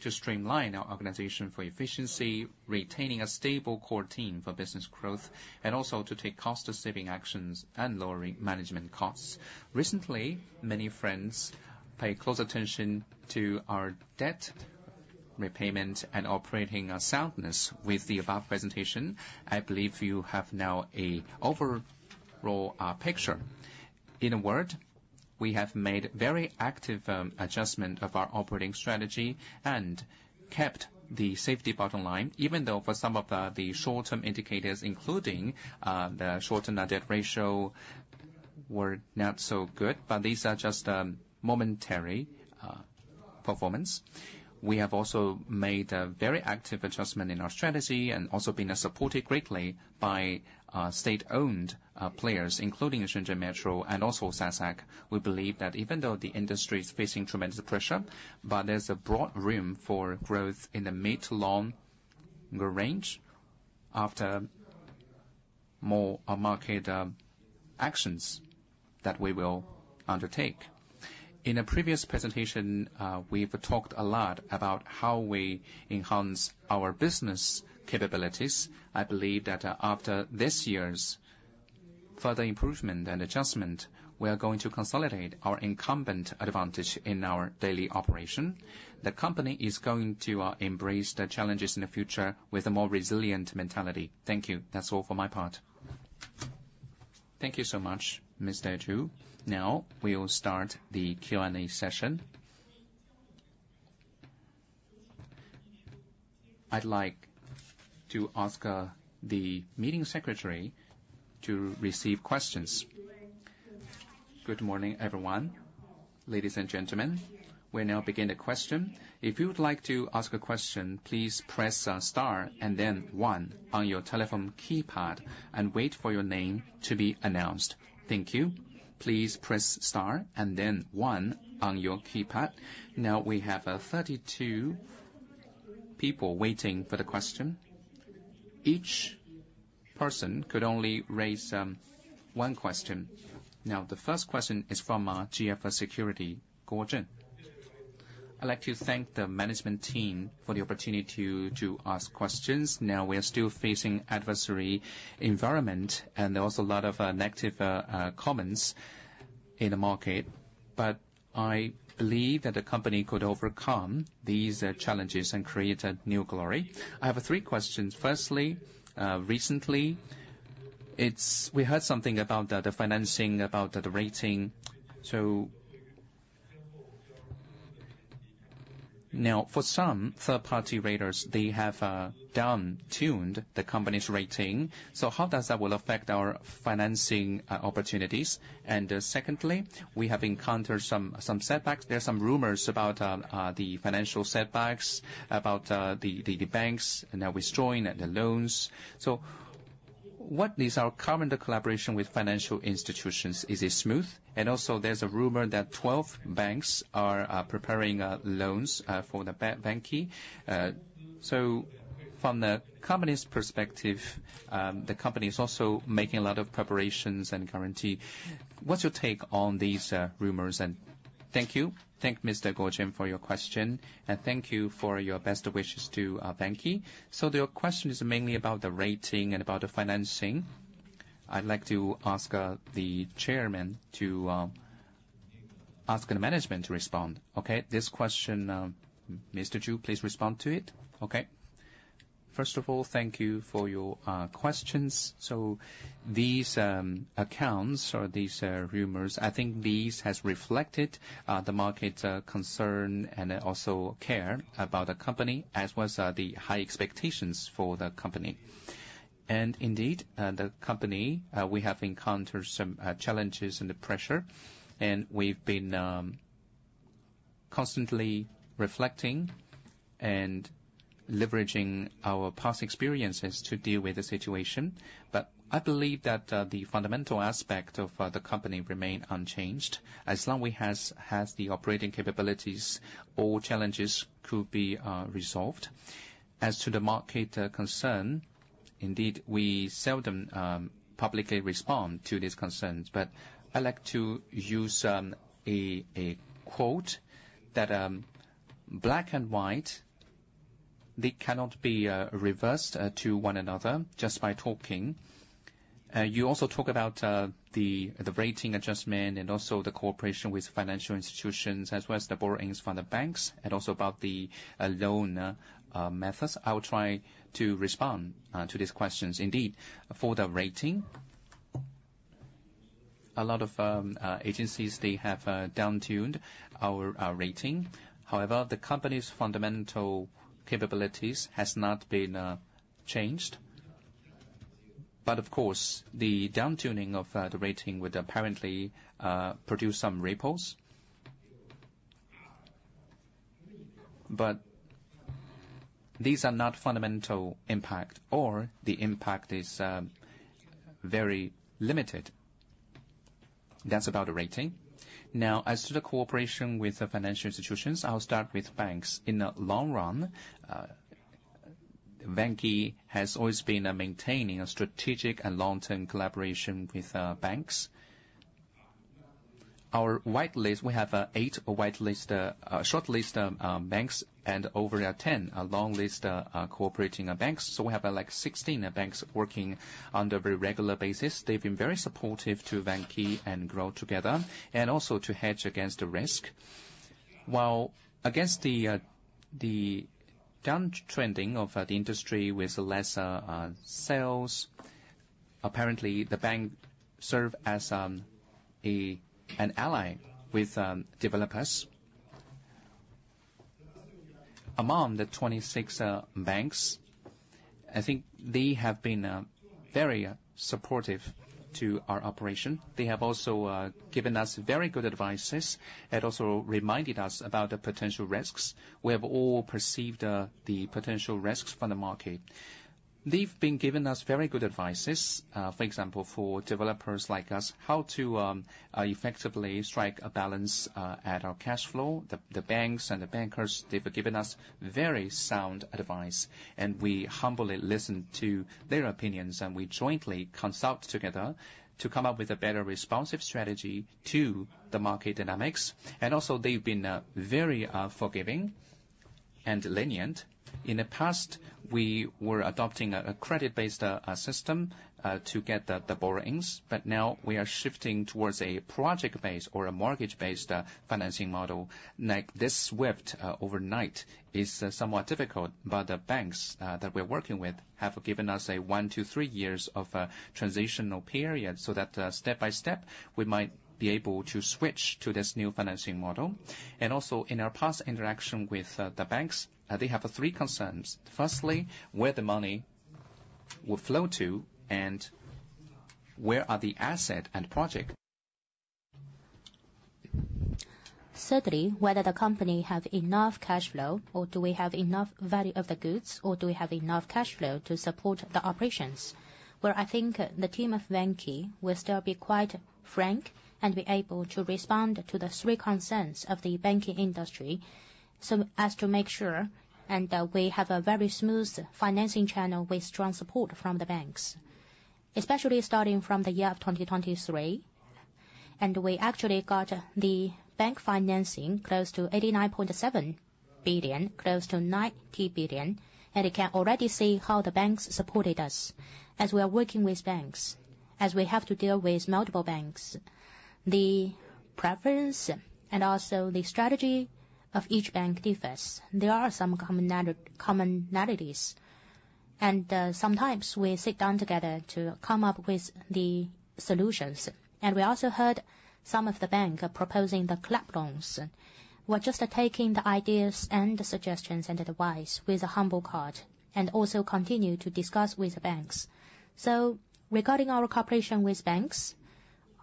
to streamline our organization for efficiency, retaining a stable core team for business growth, and also to take cost-saving actions and lower management costs. Recently, many friends pay close attention to our debt repayment and operating soundness. With the above presentation, I believe you have now an overall picture. In a word, we have made very active adjustments of our operating strategy and kept the safety bottom line, even though for some of the short-term indicators, including the shortened debt ratio, were not so good. But these are just momentary performance. We have also made very active adjustments in our strategy and also been supported greatly by state-owned players, including Shenzhen Metro and also SASAC. We believe that even though the industry is facing tremendous pressure, there's a broad room for growth in the mid to long range after more market actions that we will undertake. In a previous presentation, we've talked a lot about how we enhance our business capabilities. I believe that after this year's further improvement and adjustment, we are going to consolidate our incumbent advantage in our daily operation. The company is going to embrace the challenges in the future with a more resilient mentality. Thank you. That's all for my part. Thank you so much, Mr. Zhu. Now, we'll start the Q&A session. I'd like to ask the meeting secretary to receive questions. Good morning, everyone. Ladies and gentlemen, we'll now begin the question. If you would like to ask a question, please press star and then one on your telephone keypad and wait for your name to be announced. Thank you. Please press star and then one on your keypad. Now, we have 32 people waiting for the question. Each person could only raise one question. Now, the first question is from GF Securities, Guo Zhen. I'd like to thank the management team for the opportunity to ask questions. Now, we are still facing an adversarial environment, and there are also a lot of negative comments in the market. But I believe that the company could overcome these challenges and create new glory. I have three questions. Firstly, recently, we heard something about the financing, about the rating. So now, for some third-party raters, they have downgraded the company's rating. So how does that affect our financing opportunities? And secondly, we have encountered some setbacks. There are some rumors about the financial setbacks, about the banks now withdrawing the loans. So what is our current collaboration with financial institutions? Is it smooth? And also, there's a rumor that 12 banks are preparing loans for the Vanke. So from the company's perspective, the company is also making a lot of preparations and guarantees. What's your take on these rumors? And thank you. Thank you Mr. Guo Zhen for your question. Thank you for your best wishes to Vanke. Your question is mainly about the rating and about the financing. I'd like to ask the chairman to ask the management to respond. Okay? This question, Mr. Zhu, please respond to it. Okay? First of all, thank you for your questions. These accounts or these rumors, I think these have reflected the market concern and also care about the company, as well as the high expectations for the company. Indeed, the company, we have encountered some challenges and pressure, and we've been constantly reflecting and leveraging our past experiences to deal with the situation. I believe that the fundamental aspect of the company remains unchanged. As long as it has the operating capabilities, all challenges could be resolved. As to the market concern, indeed, we seldom publicly respond to these concerns. But I'd like to use a quote that, "Black and white, they cannot be reversed to one another just by talking." You also talk about the rating adjustment and also the cooperation with financial institutions, as well as the borrowings from the banks, and also about the loan methods. I will try to respond to these questions. Indeed, for the rating, a lot of agencies, they have down-tuned our rating. However, the company's fundamental capabilities have not been changed. But of course, the down-tuning of the rating would apparently produce some ripples. But these are not fundamental impact, or the impact is very limited. That's about the rating. Now, as to the cooperation with financial institutions, I'll start with banks. In the long run, Vanke has always been maintaining a strategic and long-term collaboration with banks. Our whitelist, we have eight short-listed banks and over 10 long-listed cooperating banks. So we have 16 banks working on a very regular basis. They've been very supportive to Vanke and grow together, and also to hedge against the risk. While against the downtrending of the industry with less sales, apparently, the banks served as an ally with developers. Among the 26 banks, I think they have been very supportive to our operation. They have also given us very good advice and also reminded us about the potential risks. We have all perceived the potential risks from the market. They've been giving us very good advice, for example, for developers like us, how to effectively strike a balance at our cash flow. The banks and the bankers, they've given us very sound advice. And we humbly listen to their opinions, and we jointly consult together to come up with a better responsive strategy to the market dynamics. They've been very forgiving and lenient. In the past, we were adopting a credit-based system to get the borrowings. But now, we are shifting towards a project-based or a mortgage-based financing model. This swift overnight is somewhat difficult, but the banks that we're working with have given us a one, two, three years of transitional period so that step by step, we might be able to switch to this new financing model. And also, in our past interaction with the banks, they have three concerns. Firstly, where the money will flow to, and where are the assets and projects. Thirdly, whether the company has enough cash flow, or do we have enough value of the goods, or do we have enough cash flow to support the operations. Well, I think the team of Vanke will still be quite frank and be able to respond to the three concerns of the banking industry as to make sure we have a very smooth financing channel with strong support from the banks, especially starting from the year of 2023. We actually got the bank financing close to 89.7 billion, close to 90 billion. You can already see how the banks supported us as we are working with banks, as we have to deal with multiple banks. The preference and also the strategy of each bank differs. There are some commonalities. Sometimes, we sit down together to come up with the solutions. And we also heard some of the banks proposing the collateral loans. We're just taking the ideas and the suggestions and advice with a humble heart and also continue to discuss with the banks. So regarding our cooperation with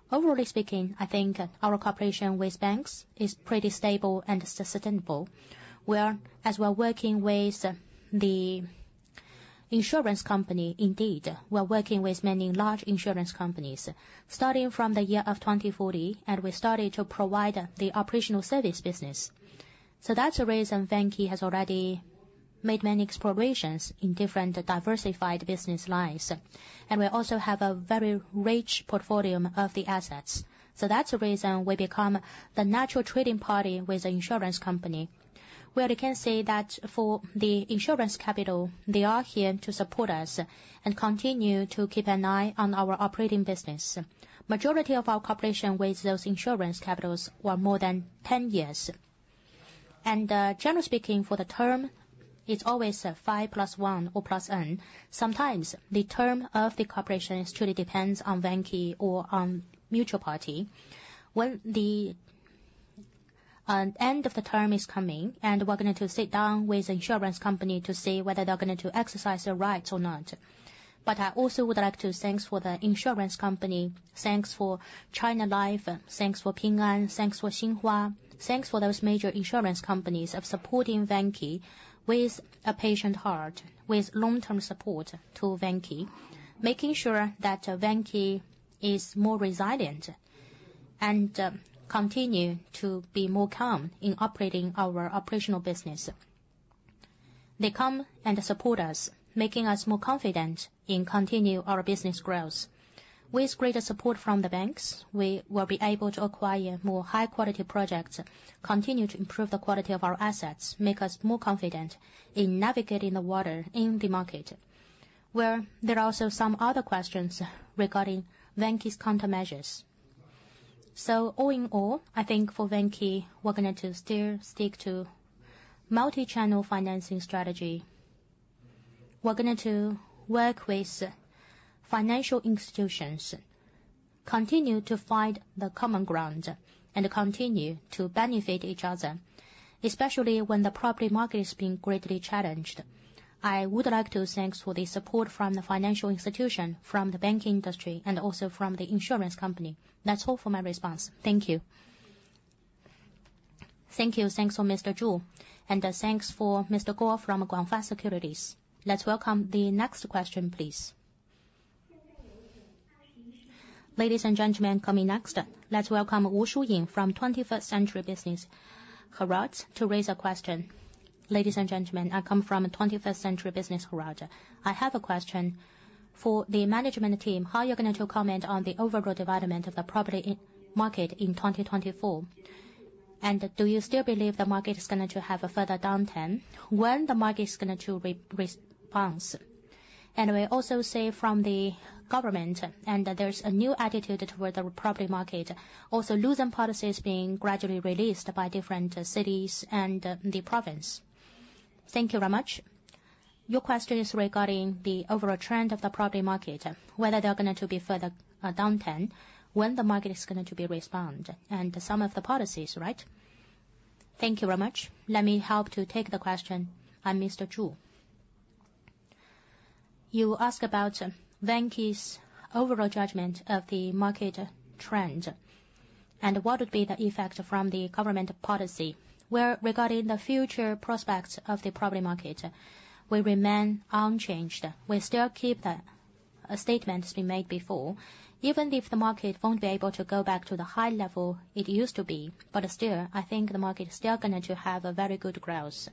banks, overall speaking, I think our cooperation with banks is pretty stable and sustainable. While as we're working with the insurance company, indeed, we're working with many large insurance companies starting from the year of 2040, and we started to provide the operational service business. So that's the reason Vanke has already made many explorations in different diversified business lines. And we also have a very rich portfolio of the assets. So that's the reason we become the natural trading party with the insurance company. Where you can see that for the insurance capital, they are here to support us and continue to keep an eye on our operating business. Majority of our cooperation with those insurance capitals were more than 10 years. Generally speaking, for the term, it's always 5+1 or plus earn. Sometimes, the term of the cooperation actually depends on Vanke or on the mutual party. When the end of the term is coming, and we're going to sit down with the insurance company to see whether they're going to exercise their rights or not. But I also would like to thank the insurance company. Thanks for China Life. Thanks for Ping An. Thanks for Xinhua. Thanks for those major insurance companies for supporting Vanke with a patient heart, with long-term support to Vanke, making sure that Vanke is more resilient and continue to be more calm in operating our operational business. They come and support us, making us more confident in continuing our business growth. With greater support from the banks, we will be able to acquire more high-quality projects, continue to improve the quality of our assets, make us more confident in navigating the water in the market. Well, there are also some other questions regarding Vanke's countermeasures. All in all, I think for Vanke, we're going to still stick to a multi-channel financing strategy. We're going to work with financial institutions, continue to find the common ground, and continue to benefit each other, especially when the property market is being greatly challenged. I would like to thank for the support from the financial institution, from the banking industry, and also from the insurance company. That's all for my response. Thank you. Thank you. Thanks for Mr. Zhou. And thanks for Mr. Guo from GF Securities. Let's welcome the next question, please. Ladies and gentlemen, coming next, let's welcome Wu Xuying from 21st Century Business Herald to raise a question. Ladies and gentlemen, I come from 21st Century Business Herald. I have a question. For the management team, how are you going to comment on the overall development of the property market in 2024? Do you still believe the market is going to have a further downturn when the market is going to respond? We also see from the government, and there's a new attitude toward the property market, also loosening policies being gradually released by different cities and the province. Thank you very much. Your question is regarding the overall trend of the property market, whether they're going to be further downturned when the market is going to respond, and some of the policies, right? Thank you very much. Let me help to take the question on Mr. Zhu. You ask about Vanke's overall judgment of the market trend and what would be the effect from the government policy. Well, regarding the future prospects of the property market, we remain unchanged. We still keep the statements we made before. Even if the market won't be able to go back to the high level it used to be, but still, I think the market is still going to have a very good growth.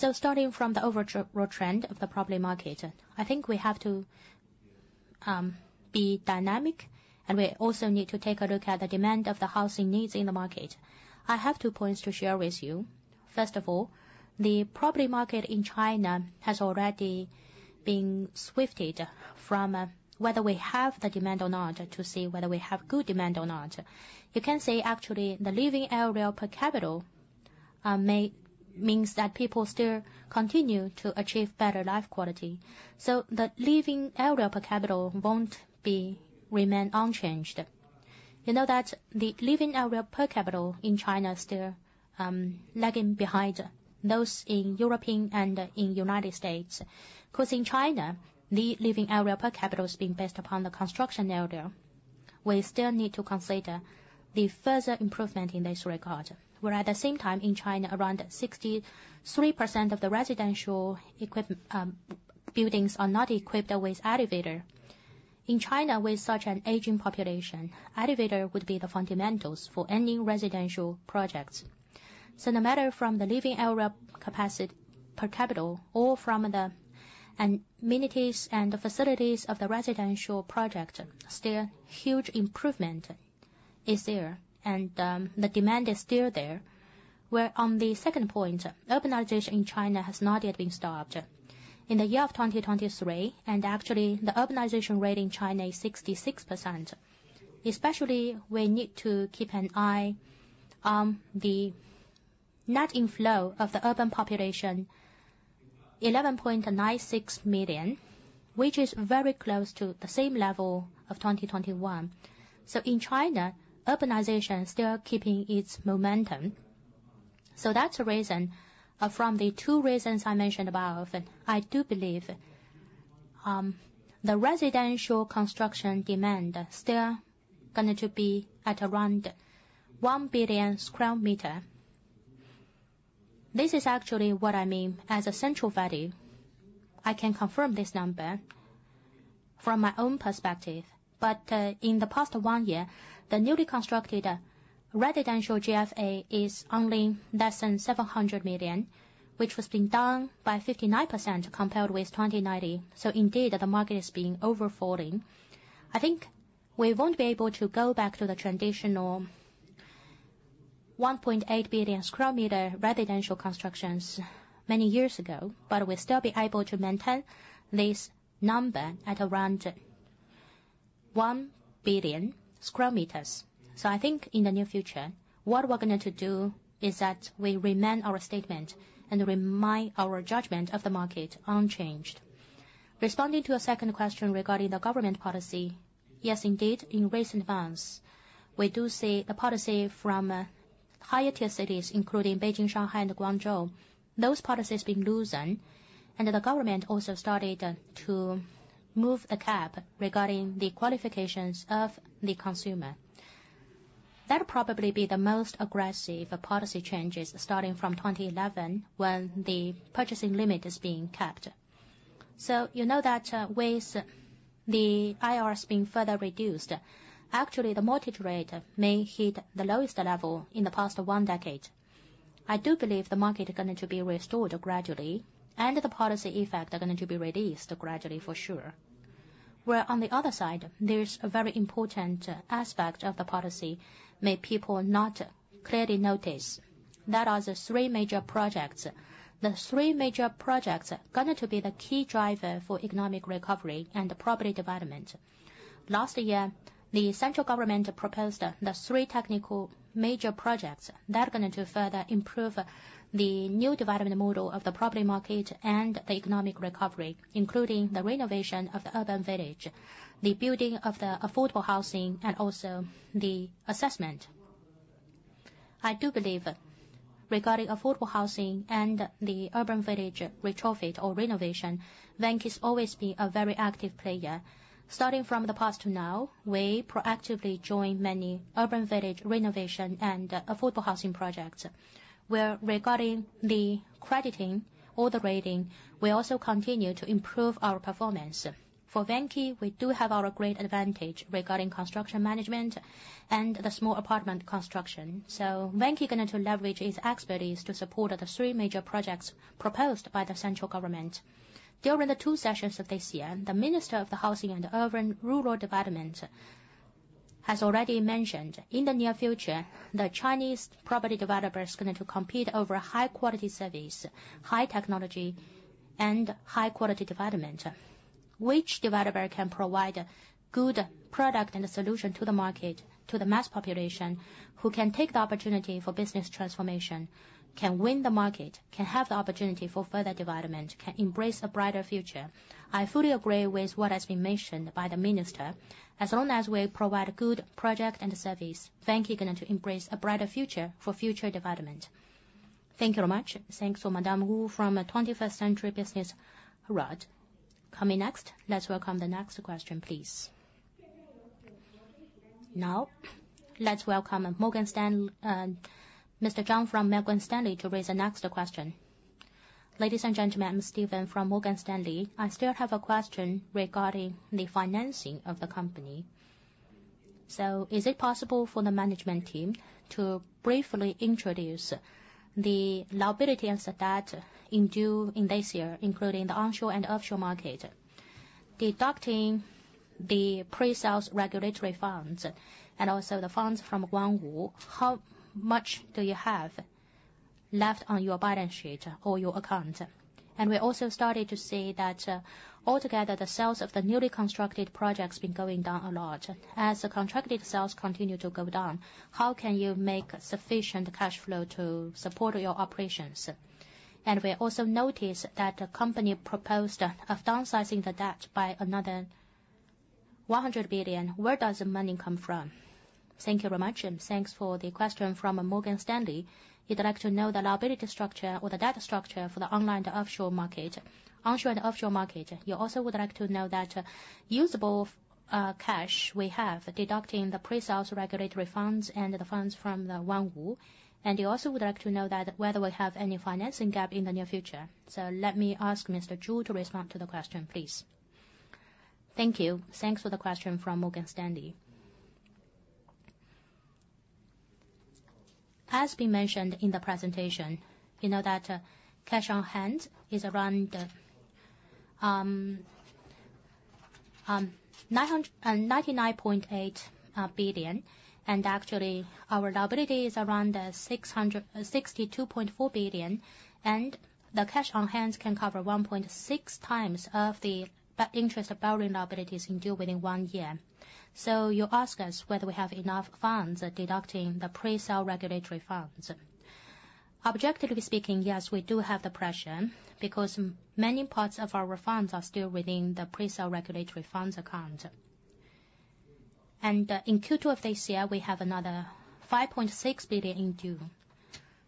So starting from the overall trend of the property market, I think we have to be dynamic, and we also need to take a look at the demand of the housing needs in the market. I have two points to share with you. First of all, the property market in China has already been shifted from whether we have the demand or not to see whether we have good demand or not. You can say, actually, the living area per capita means that people still continue to achieve better life quality. So the living area per capita won't remain unchanged. You know that the living area per capita in China is still lagging behind those in Europe and in the United States because in China, the living area per capita is being based upon the construction area. We still need to consider the further improvement in this regard. While at the same time, in China, around 63% of the residential buildings are not equipped with elevators. In China, with such an aging population, elevators would be the fundamentals for any residential projects. So no matter from the living area capacity per capita or from the amenities and facilities of the residential project, still, huge improvement is there, and the demand is still there. Now, on the second point, urbanization in China has not yet been stopped. In 2023, and actually, the urbanization rate in China is 66%. Especially, we need to keep an eye on the net inflow of the urban population, 11.96 million, which is very close to the same level of 2021. So in China, urbanization is still keeping its momentum. So that's the reason, from the two reasons I mentioned above, I do believe the residential construction demand is still going to be at around 1 billion sqm. This is actually what I mean as a central value. I can confirm this number from my own perspective. But in the past one year, the newly constructed residential GFA is only less than 700 million, which was down 59% compared with 2020. So indeed, the market is being undersupplied. I think we won't be able to go back to the traditional 1.8 billion sqm residential constructions many years ago, but we'll still be able to maintain this number at around 1 billion sqm. So I think in the near future, what we're going to do is that we remain our statement and maintain our judgment of the market unchanged. Responding to a second question regarding the government policy, yes, indeed, in recent months, we do see the policy from higher-tier cities, including Beijing, Shanghai, and Guangzhou, those policies being loosened. And the government also started to move the cap regarding the qualifications of the consumer. That'll probably be the most aggressive policy changes starting from 2011 when the purchasing limit is being capped. So you know that with the interest rates being further reduced, actually, the mortgage rate may hit the lowest level in the past one decade. I do believe the market is going to be restored gradually, and the policy effects are going to be released gradually for sure. Where on the other side, there's a very important aspect of the policy many people not clearly notice. That are the Three Major Projects. The Three Major Projects are going to be the key driver for economic recovery and property development. Last year, the central government proposed the Three Major Projects that are going to further improve the new development model of the property market and the economic recovery, including the renovation of the urban village, the building of affordable housing, and also the assessment. I do believe regarding affordable housing and the urban village retrofit or renovation, Vanke has always been a very active player. Starting from the past to now, we proactively joined many urban village renovation and affordable housing projects. Regard to the crediting or the rating, we also continue to improve our performance. For Vanke, we do have our great advantage regarding construction management and the small apartment construction. So Vanke is going to leverage its expertise to support the Three Major Projects proposed by the central government. During the Two Sessions of this year, the Minister of Housing and Urban-Rural Development has already mentioned in the near future, the Chinese property developers are going to compete over high-quality service, high technology, and high-quality development. Which developer can provide good product and solution to the market, to the mass population, who can take the opportunity for business transformation, can win the market, can have the opportunity for further development, can embrace a brighter future? I fully agree with what has been mentioned by the minister. As long as we provide good project and service, Vanke is going to embrace a brighter future for future development. Thank you very much. Thanks for Ms. Wu from 21st Century Business Herald. Coming next, let's welcome the next question, please. Now, let's welcome Mr. Zhang from Morgan Stanley to raise the next question. Ladies and gentlemen, I'm Stephen from Morgan Stanley. I still have a question regarding the financing of the company. So is it possible for the management team to briefly introduce the liabilities that are due in this year, including the onshore and offshore market, deducting the pre-sales regulatory funds and also the co-managed funds? How much do you have left on your balance sheet or your account? And we also started to see that altogether, the sales of the newly constructed projects have been going down a lot. As the contracted sales continue to go down, how can you make sufficient cash flow to support your operations? And we also noticed that the company proposed downsizing the debt by another 100 billion. Where does the money come from? Thank you very much. Thanks for the question from Morgan Stanley. You'd like to know the liability structure or the debt structure for the onshore and offshore market. Onshore and offshore market, you also would like to know that usable cash we have deducting the pre-sales regulatory funds and the co-managed funds. And you also would like to know whether we have any financing gap in the near future. So let me ask Mr. Zhu to respond to the question, please. Thank you. Thanks for the question from Morgan Stanley. As been mentioned in the presentation, you know that cash on hand is around 99.8 billion. Actually, our liability is around 62.4 billion. The cash on hand can cover 1.6x of the interest borrowing liabilities due within one year. So you ask us whether we have enough funds deducting the pre-sale regulatory funds. Objectively speaking, yes, we do have the pressure because many parts of our funds are still within the pre-sale regulatory funds account. In Q2 of this year, we have another 5.6 billion in due.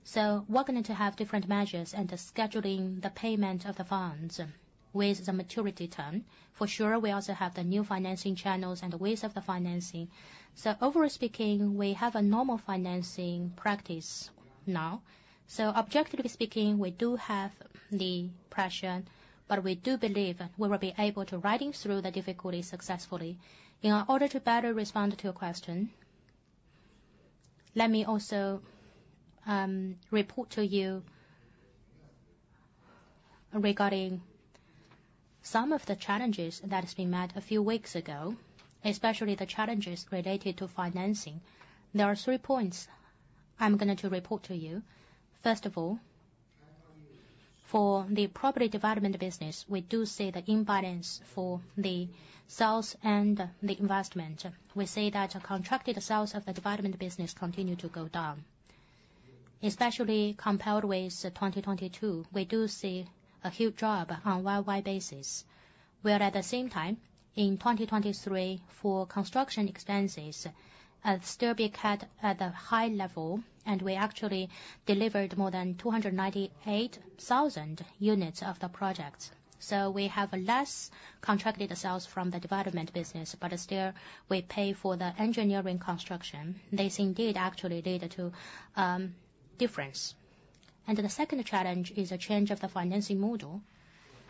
So we're going to have different measures and scheduling the payment of the funds with the maturity term. For sure, we also have the new financing channels and the ways of the financing. So overall speaking, we have a normal financing practice now. So objectively speaking, we do have the pressure, but we do believe we will be able to ride through the difficulties successfully. In order to better respond to your question, let me also report to you regarding some of the challenges that have been met a few weeks ago, especially the challenges related to financing. There are three points I'm going to report to you. First of all, for the property development business, we do see the imbalance for the sales and the investment. We see that contracted sales of the development business continue to go down, especially compared with 2022. We do see a huge drop on a year-by-year basis. Where at the same time, in 2023, for construction expenses, it still became at a high level. And we actually delivered more than 298,000 units of the projects. So we have less contracted sales from the development business, but still, we pay for the engineering construction. This indeed actually led to a difference. The second challenge is a change of the financing model.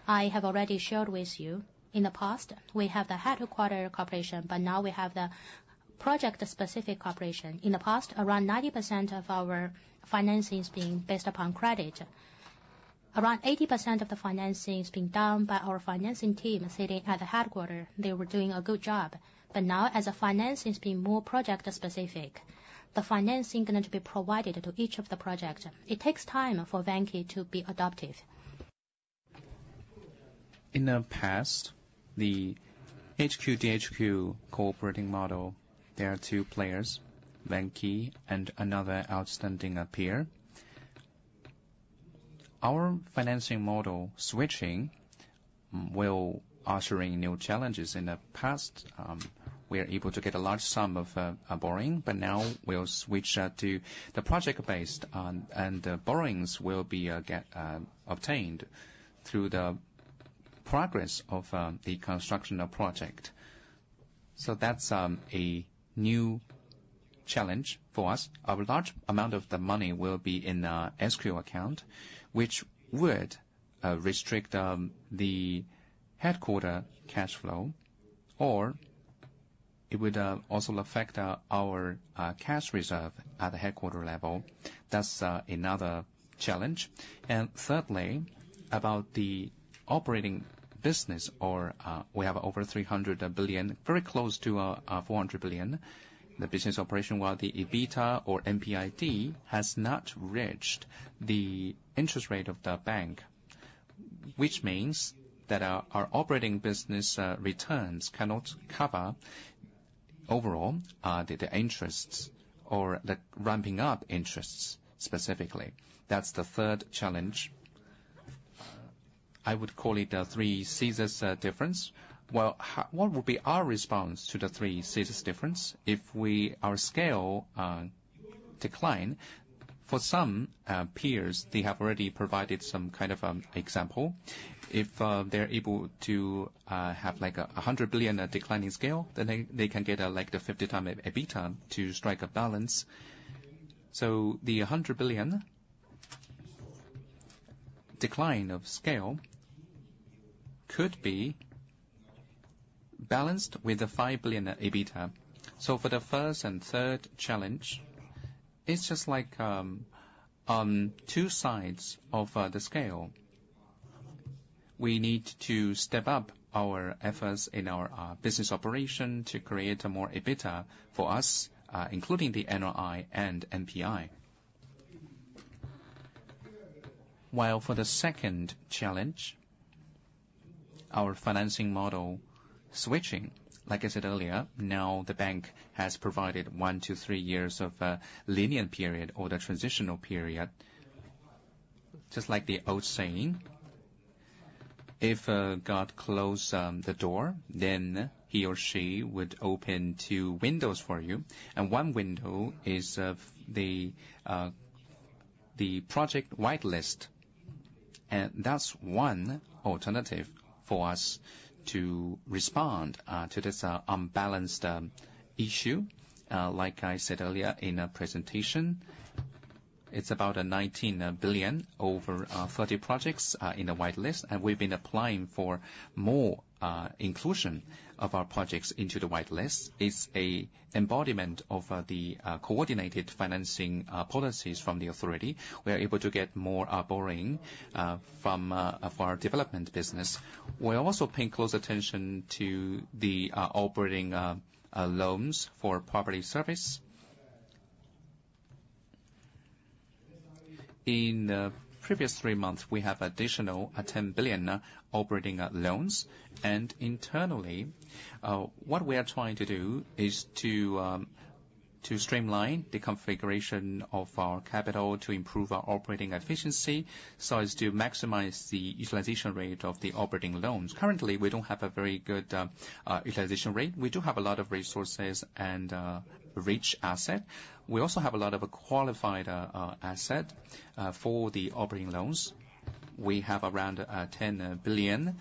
I have already shared with you in the past, we have the headquarters corporation, but now we have the project-specific corporation. In the past, around 90% of our financing is being based upon credit. Around 80% of the financing is being done by our financing team sitting at the headquarters. They were doing a good job. But now, as financing is being more project-specific, the financing is going to be provided to each of the projects. It takes time for Vanke to be adaptive. In the past, the HQ-to-HQ cooperating model, there are two players, Vanke and another outstanding peer. Our financing model switching will usher in new challenges. In the past, we were able to get a large sum of borrowing, but now we'll switch to the project-based, and the borrowings will be obtained through the progress of the construction of the project. So that's a new challenge for us. A large amount of the money will be in an escrow account, which would restrict the headquarters cash flow, or it would also affect our cash reserve at the headquarters level. That's another challenge. And thirdly, about the operating business, we have over 300 billion, very close to 400 billion, the business operation, while the EBITDA or EBIT has not reached the interest rate of the bank, which means that our operating business returns cannot cover overall the interests or the ramping up interests specifically. That's the third challenge. I would call it the three scissors difference. Well, what would be our response to the three scissors difference if our scale declined? For some peers, they have already provided some kind of an example. If they're able to have a 100 billion declining scale, then they can get the 5.0x EBITDA to strike a balance. So the RMB 100 billion decline of scale could be balanced with the 5 billion EBITDA. So for the first and third challenge, it's just like on two sides of the scale. We need to step up our efforts in our business operation to create more EBITDA for us, including the NOI and NPI. While for the second challenge, our financing model switching, like I said earlier, now the bank has provided one, two, three years of a lenient period or the transitional period, just like the old saying, "If God closed the door, then he or she would open two windows for you." One window is the project whitelist. That's one alternative for us to respond to this unbalanced issue. Like I said earlier in the presentation, it's about 19 billion over 30 projects in the whitelist. We've been applying for more inclusion of our projects into the whitelist. It's an embodiment of the coordinated financing policies from the authority. We're able to get more borrowing from our development business. We also pay close attention to the operating loans for property service. In the previous three months, we have additional 10 billion operating loans. And internally, what we are trying to do is to streamline the configuration of our capital to improve our operating efficiency so as to maximize the utilization rate of the operating loans. Currently, we don't have a very good utilization rate. We do have a lot of resources and rich assets. We also have a lot of qualified assets for the operating loans. We have around 10 billion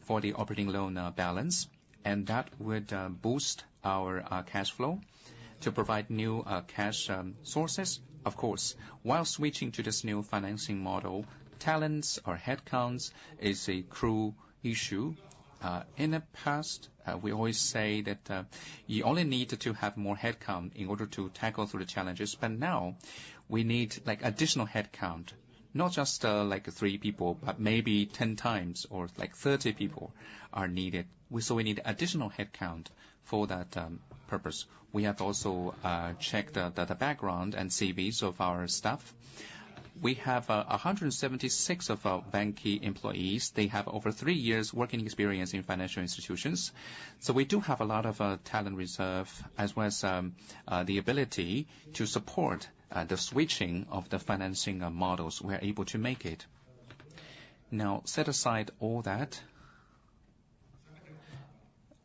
for the operating loan balance. And that would boost our cash flow to provide new cash sources. Of course, while switching to this new financing model, talents or headcounts is a cruel issue. In the past, we always say that you only need to have more headcount in order to tackle through the challenges. But now, we need additional headcount, not just three people, but maybe 10 times or 30 people are needed. So we need additional headcount for that purpose. We have also checked the background and CVs of our staff. We have 176 of our Vanke employees. They have over three years' working experience in financial institutions. So we do have a lot of talent reserve as well as the ability to support the switching of the financing models. We are able to make it. Now, set aside all that,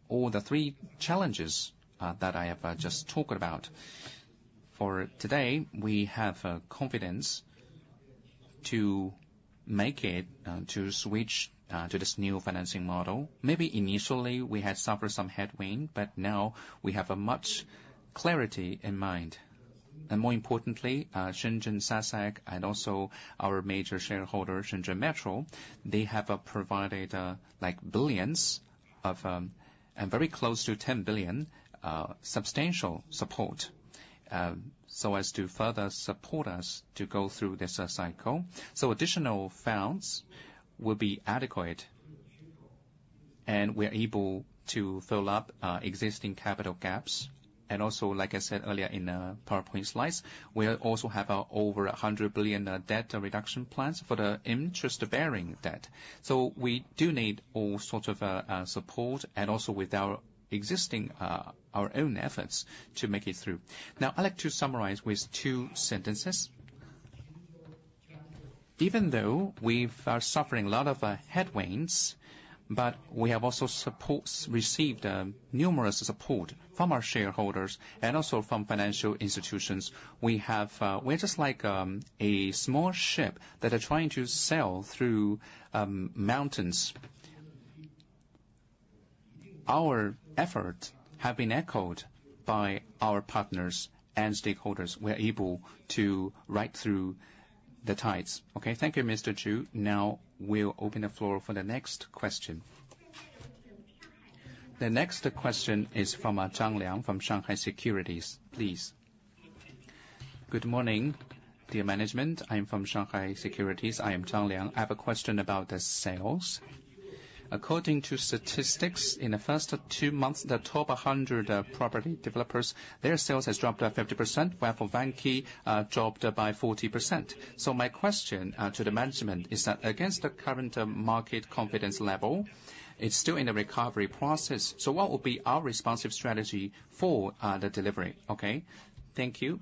all the three challenges that I have just talked about. For today, we have confidence to make it to switch to this new financing model. Maybe initially, we had suffered some headwind, but now we have much clarity in mind. More importantly, Shenzhen SEZ Construction Group and also our major shareholder, Shenzhen Metro Group, they have provided billions and very close to 10 billion substantial support so as to further support us to go through this cycle. So additional funds will be adequate. And we are able to fill up existing capital gaps. And also, like I said earlier in the PowerPoint slides, we also have over 100 billion debt reduction plans for the interest-bearing debt. So we do need all sorts of support and also with our own efforts to make it through. Now, I'd like to summarize with two sentences. Even though we are suffering a lot of headwinds, but we have also received numerous support from our shareholders and also from financial institutions. We are just like a small ship that is trying to sail through mountains. Our efforts have been echoed by our partners and stakeholders. We are able to ride through the tides. Okay. Thank you, Mr. Zhu. Now, we'll open the floor for the next question. The next question is from Zhang Liang from Shanghai Securities. Please. Good morning, dear management. I'm from Shanghai Securities. I am Zhang Liang. I have a question about the sales. According to statistics, in the first two months, the top 100 property developers, their sales have dropped 50%, whereas for Vanke, dropped by 40%. So my question to the management is that against the current market confidence level, it's still in the recovery process. So what would be our responsive strategy for the delivery? Okay. Thank you.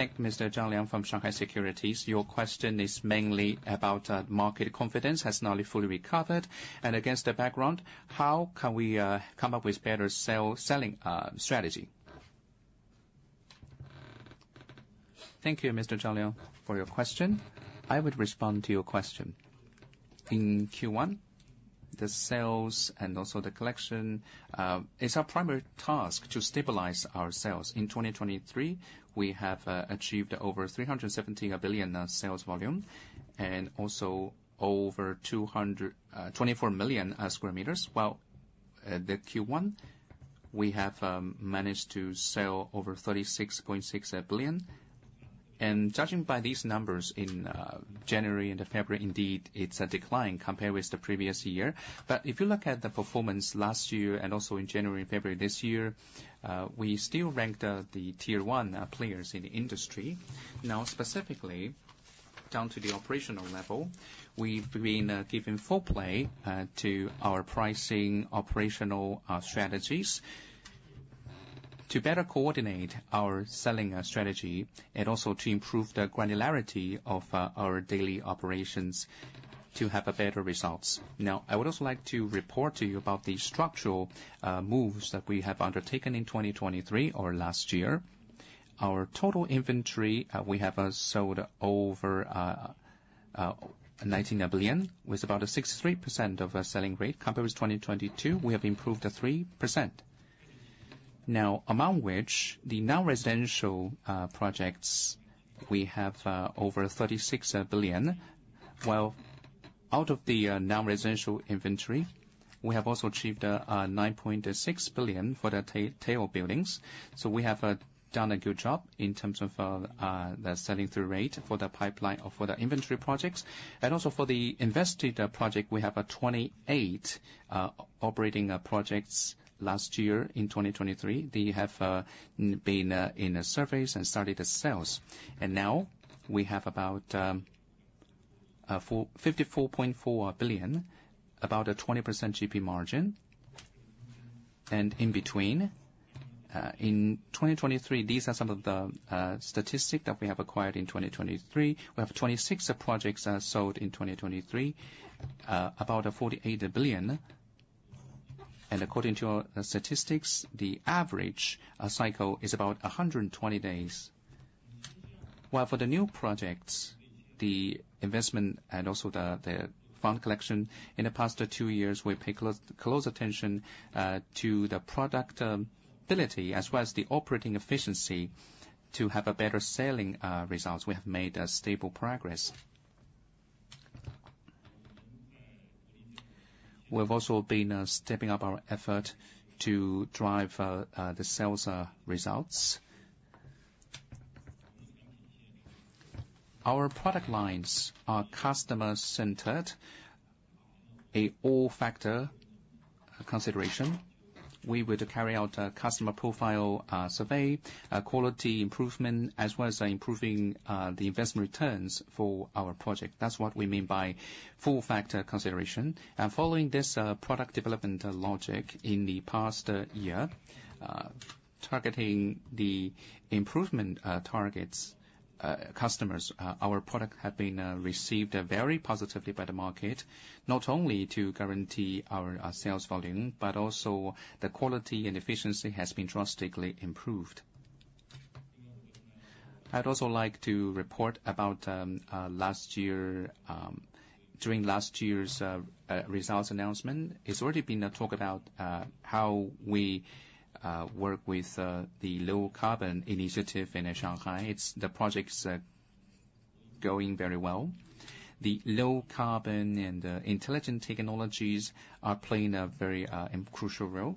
Thank you, Mr. Zhang Liang from Shanghai Securities. Your question is mainly about market confidence has not fully recovered. And against the background, how can we come up with better selling strategy? Thank you, Mr. Zhang Liang, for your question. I would respond to your question. In Q1, the sales and also the collection, it's our primary task to stabilize our sales. In 2023, we have achieved over 370 billion sales volume and also over 24 million sqm. While in Q1, we have managed to sell over 36.6 billion. Judging by these numbers in January and February, indeed, it's a decline compared with the previous year. If you look at the performance last year and also in January and February this year, we still ranked the Tier 1 players in the industry. Now, specifically, down to the operational level, we've been giving full play to our pricing operational strategies to better coordinate our selling strategy and also to improve the granularity of our daily operations to have better results. Now, I would also like to report to you about the structural moves that we have undertaken in 2023 or last year. Our total inventory, we have sold over 19 billion with about a 63% of a selling rate. Compared with 2022, we have improved 3%, among which the non-residential projects, we have over 36 billion. While out of the non-residential inventory, we have also achieved 9.6 billion for the Tier 1 buildings. So we have done a good job in terms of the selling-through rate for the pipeline or for the inventory projects. And also for the invested project, we have 28 operating projects last year in 2023 that have been in surveys and started the sales. And now, we have about 54.4 billion, about a 20% GP margin. And in between, in 2023, these are some of the statistics that we have acquired in 2023. We have 26 projects sold in 2023, about 48 billion. According to our statistics, the average cycle is about 120 days. While for the new projects, the investment and also the fund collection, in the past two years, we pay close attention to the product ability as well as the operating efficiency to have better selling results. We have made stable progress. We've also been stepping up our effort to drive the sales results. Our product lines are customer-centered, an all-factor consideration. We would carry out a customer profile survey, quality improvement, as well as improving the investment returns for our project. That's what we mean by full-factor consideration. Following this product development logic in the past year, targeting the improvement targets, customers, our product has been received very positively by the market, not only to guarantee our sales volume, but also the quality and efficiency has been drastically improved. I'd also like to report about during last year's results announcement, it's already been talked about how we work with the low-carbon initiative in Shanghai. The project's going very well. The low-carbon and intelligent technologies are playing a very crucial role.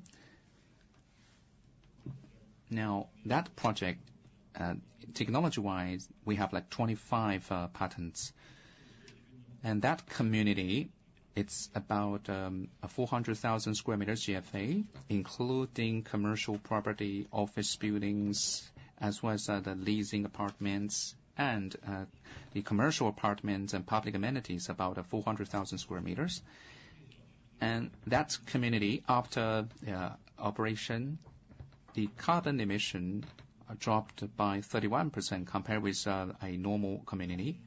Now, that project, technology-wise, we have 25 patents. And that community, it's about 400,000 sqm GFA, including commercial property, office buildings, as well as the leasing apartments. And the commercial apartments and public amenities, about 400,000 sqm. And that community, after operation, the carbon emission dropped by 31% compared with a normal community.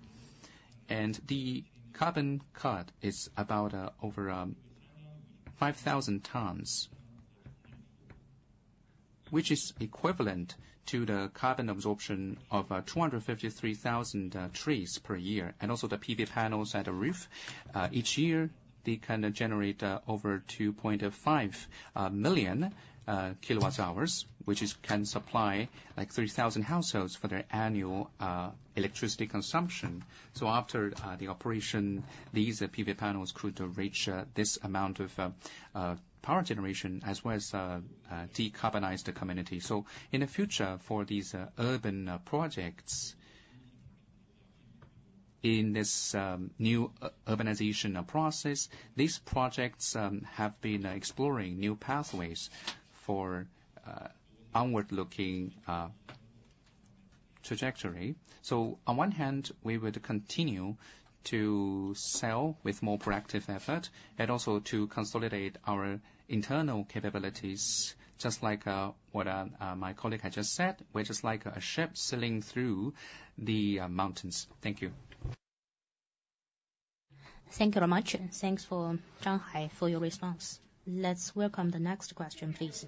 The carbon cut is about over 5,000 tons, which is equivalent to the carbon absorption of 253,000 trees per year. Also the PV panels at the roof, each year, they can generate over 2.5 million kWh, which can supply 3,000 households for their annual electricity consumption. After the operation, these PV panels could reach this amount of power generation as well as decarbonize the community. In the future, for these urban projects, in this new urbanization process, these projects have been exploring new pathways for an onward-looking trajectory. On one hand, we would continue to sell with more proactive effort and also to consolidate our internal capabilities. Just like what my colleague had just said, we're just like a ship sailing through the mountains. Thank you. Thank you very much. Thanks for Shanghai for your response. Let's welcome the next question, please.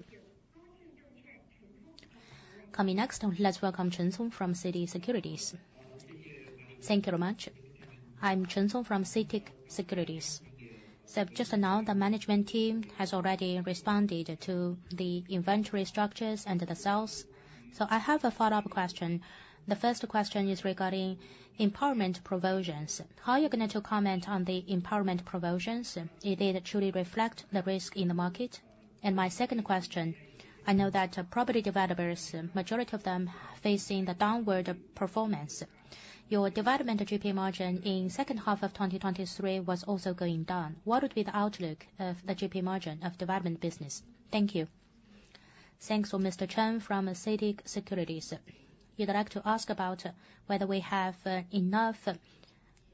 Coming next, let's welcome Chen Zhong from CITIC Securities. Thank you very much. I'm Chen Zhong from CITIC Securities. Just now, the management team has already responded to the inventory structures and the sales. I have a follow-up question. The first question is regarding impairment provisions. How are you going to comment on the impairment provisions? It did truly reflect the risk in the market. My second question, I know that property developers, majority of them, are facing the downward performance. Your development GP margin in the second half of 2023 was also going down. What would be the outlook of the GP margin of development business? Thank you. Thanks for Mr. Chen from CITIC Securities. You'd like to ask about whether we have enough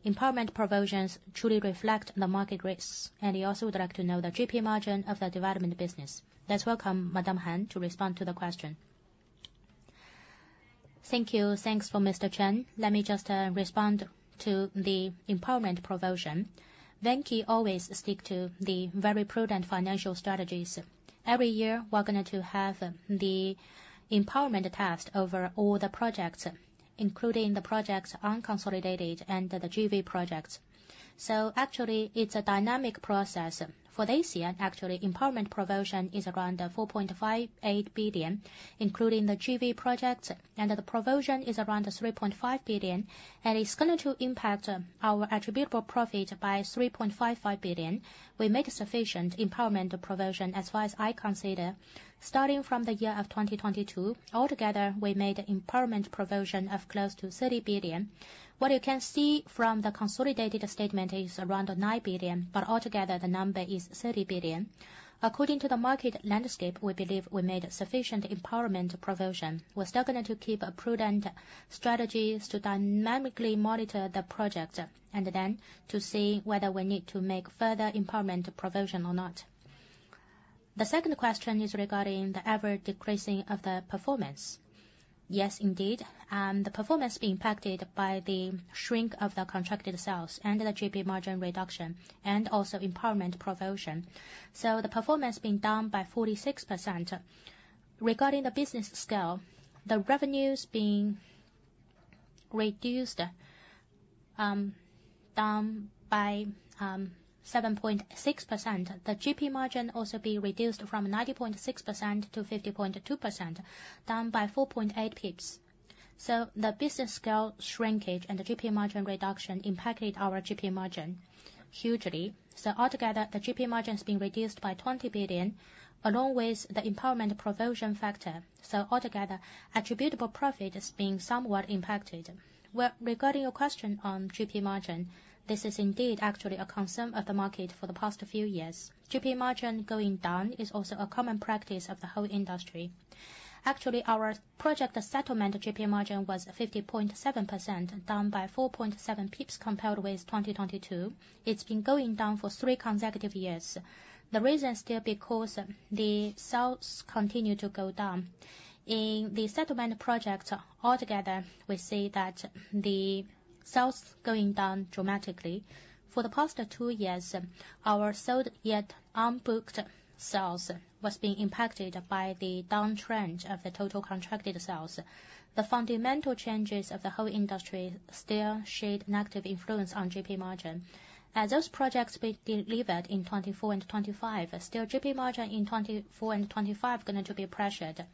impairment provisions that truly reflect the market risks. And you also would like to know the GP margin of the development business. Let's welcome Madame Han to respond to the question. Thank you. Thanks for Mr. Chen. Let me just respond to the impairment provision. Vanke always sticks to the very prudent financial strategies. Every year, we're going to have the impairment test over all the projects, including the projects unconsolidated and the JV projects. So actually, it's a dynamic process. For this year, actually, impairment provision is around 4.58 billion, including the JV projects. And the provision is around 3.5 billion. And it's going to impact our attributable profit by 3.55 billion. We made sufficient impairment provision as far as I consider. Starting from the year of 2022, altogether, we made impairment provision of close to 30 billion. What you can see from the consolidated statement is around 9 billion, but altogether, the number is 30 billion. According to the market landscape, we believe we made sufficient impairment provision. We're still going to keep prudent strategies to dynamically monitor the projects and then to see whether we need to make further impairment provision or not. The second question is regarding the average decreasing of the performance. Yes, indeed. The performance has been impacted by the shrink of the contracted sales and the GP margin reduction and also impairment provision. So the performance has been down by 46%. Regarding the business scale, the revenues have been reduced down by 7.6%. The GP margin has also been reduced from 19.6% to 15.2%, down by 4.8 percentage points. So the business scale shrinkage and the GP margin reduction impacted our GP margin hugely. So altogether, the GP margin has been reduced by 20 billion, along with the impairment provision factor. So altogether, attributable profit has been somewhat impacted. Regarding your question on GP margin, this is indeed actually a concern of the market for the past few years. GP margin going down is also a common practice of the whole industry. Actually, our project settlement GP margin was 50.7%, down by 4.7 percentage points compared with 2022. It's been going down for three consecutive years. The reason is still because the sales continue to go down. In the settlement projects, altogether, we see that the sales are going down dramatically. For the past two years, our sold yet unbooked sales have been impacted by the downtrend of the total contracted sales. The fundamental changes of the whole industry still shed a negative influence on GP margin. As those projects were delivered in 2024 and 2025, is still GP margin in 2024 and 2025 going to be pressured?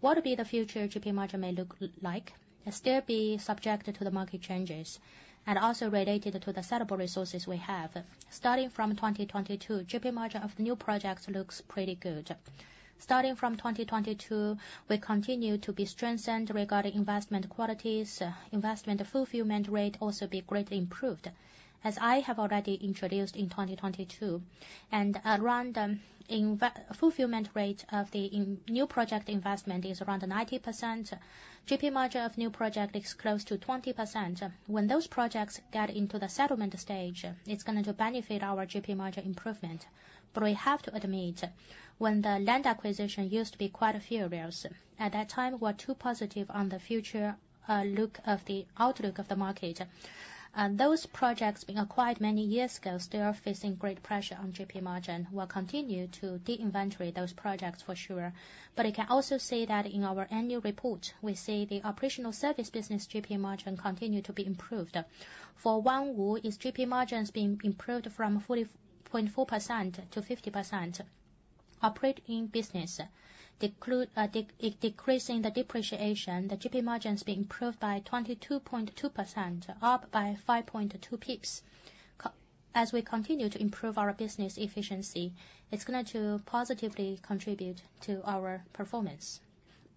What would be the future GP margin may look like? It will still be subject to the market changes and also related to the sellable resources we have. Starting from 2022, GP margin of the new projects looks pretty good. Starting from 2022, we continue to be strengthened regarding investment qualities. Investment fulfillment rate will also be greatly improved, as I have already introduced in 2022. Around the fulfillment rate of the new project investment is around 90%. GP margin of new projects is close to 20%. When those projects get into the settlement stage, it's going to benefit our GP margin improvement. But we have to admit, when the land acquisition used to be quite furious, at that time, we were too positive on the future outlook of the market. Those projects being acquired many years ago still are facing great pressure on GP margin. We'll continue to deinventory those projects for sure. But you can also see that in our annual report, we see the operational service business GP margin continues to be improved. For Onewo, its GP margin has been improved from 40.4% to 50%. Operating business, decreasing the depreciation, the GP margin has been improved by 22.2%, up by 5.2 percentage points. As we continue to improve our business efficiency, it's going to positively contribute to our performance.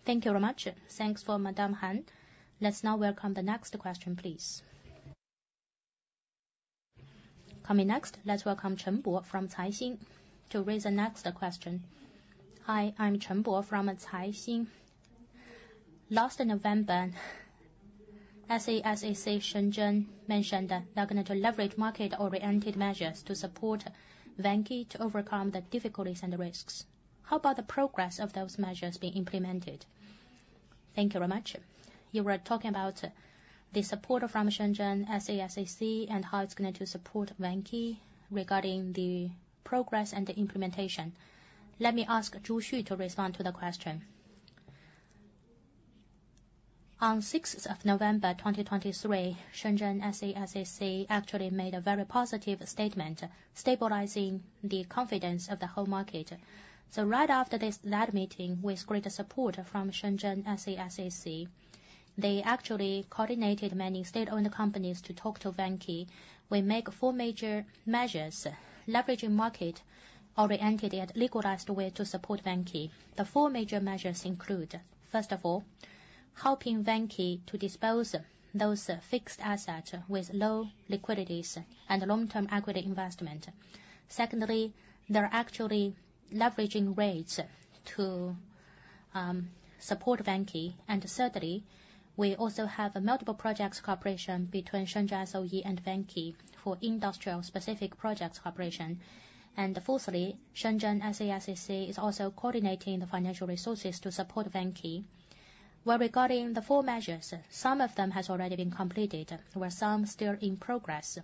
Thank you very much. Thanks for Madame Han. Let's now welcome the next question, please. Coming next, let's welcome Chen Bo from Caixin to raise the next question. Hi, I'm Chen Bo from Caixin. Last November, Shenzhen SASAC mentioned they're going to leverage market-oriented measures to support Vanke to overcome the difficulties and risks. How about the progress of those measures being implemented? Thank you very much. You were talking about the support from Shenzhen SASAC and how it's going to support Vanke regarding the progress and the implementation. Let me ask Zhu Xu to respond to the question. On 6 November 2023, Shenzhen SASAC actually made a very positive statement, stabilizing the confidence of the whole market. So right after this lead meeting, with great support from Shenzhen SASAC, they actually coordinated many state-owned companies to talk to Vanke to make four major measures leveraging market-oriented yet legalized ways to support Vanke. The four major measures include, first of all, helping Vanke to dispose of those fixed assets with low liquidities and long-term equity investment. Secondly, they're actually leveraging REITs to support Vanke. And thirdly, we also have multiple projects cooperation between Shenzhen SOE and Vanke for industrial-specific projects cooperation. And fourthly, Shenzhen SASAC is also coordinating the financial resources to support Vanke. Well, regarding the four measures, some of them have already been completed, while some are still in progress.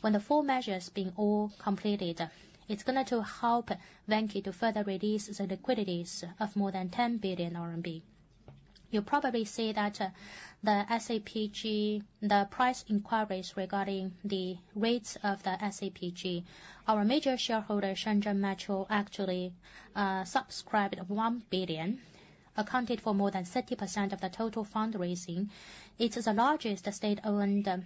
When the four measures have been all completed, it's going to help Vanke to further release the liquidities of more than 10 billion RMB. You'll probably see that the SCPG, the price inquiries regarding the REITs of the SCPG, our major shareholder, Shenzhen Metro, actually subscribed 1 billion, accounted for more than 30% of the total fundraising. It's the largest state-owned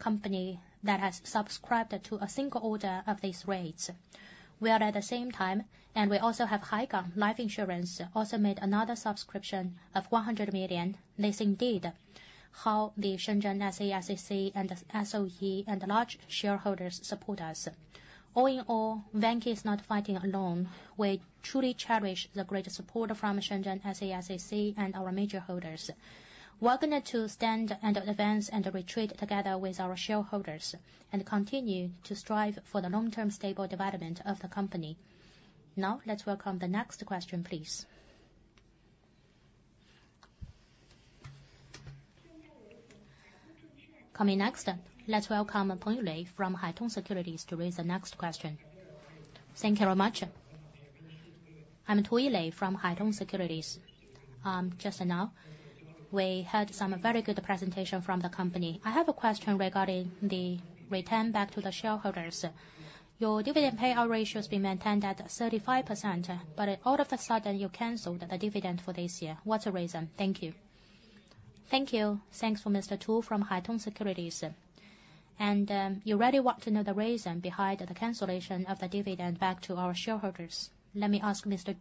company that has subscribed to a single order of these REITs. While at the same time, and we also have Haigang Life also made another subscription of 100 million, this indeed shows how the Shenzhen SASAC and SOE and large shareholders support us. All in all, Vanke is not fighting alone. We truly cherish the great support from Shenzhen SASAC and our major holders. We're going to stand and advance and retreat together with our shareholders and continue to strive for the long-term stable development of the company. Now, let's welcome the next question, please. Coming next, let's welcome Peng Yulei from Haitong Securities to raise the next question. Thank you very much. I'm Peng Yilei from Haitong Securities. Just now, we heard some very good presentations from the company. I have a question regarding the return back to the shareholders. Your dividend payout ratio has been maintained at 35%, but all of a sudden, you canceled the dividend for this year. What's the reason? Thank you. Thank you. Thanks for Mr. Peng from Haitong Securities. And you really want to know the reason behind the cancellation of the dividend back to our shareholders. Let me ask Mr.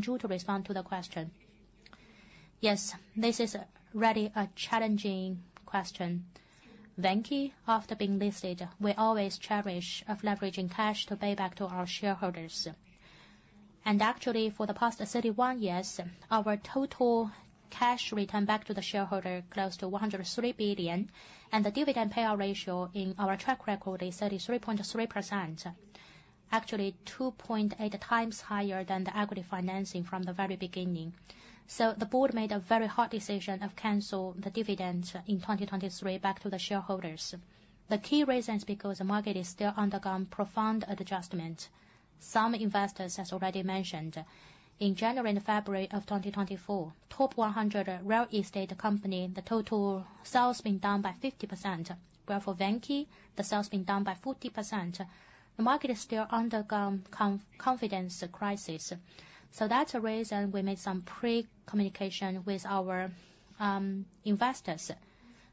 Zhu to respond to the question. Yes, this is really a challenging question. Vanke, after being listed, we always cherish leveraging cash to pay back to our shareholders. And actually, for the past 31 years, our total cash return back to the shareholder is close to 103 billion, and the dividend payout ratio in our track record is 33.3%, actually 2.8x higher than the equity financing from the very beginning. So the board made a very hard decision to cancel the dividend in 2023 back to the shareholders. The key reason is because the market has still undergone profound adjustments. Some investors, as already mentioned, in January and February of 2024, the top 100 real estate companies, the total sales have been down by 50%. Whereas for Vanke, the sales have been down by 40%. The market has still undergone a confidence crisis. So that's the reason we made some pre-communication with our investors.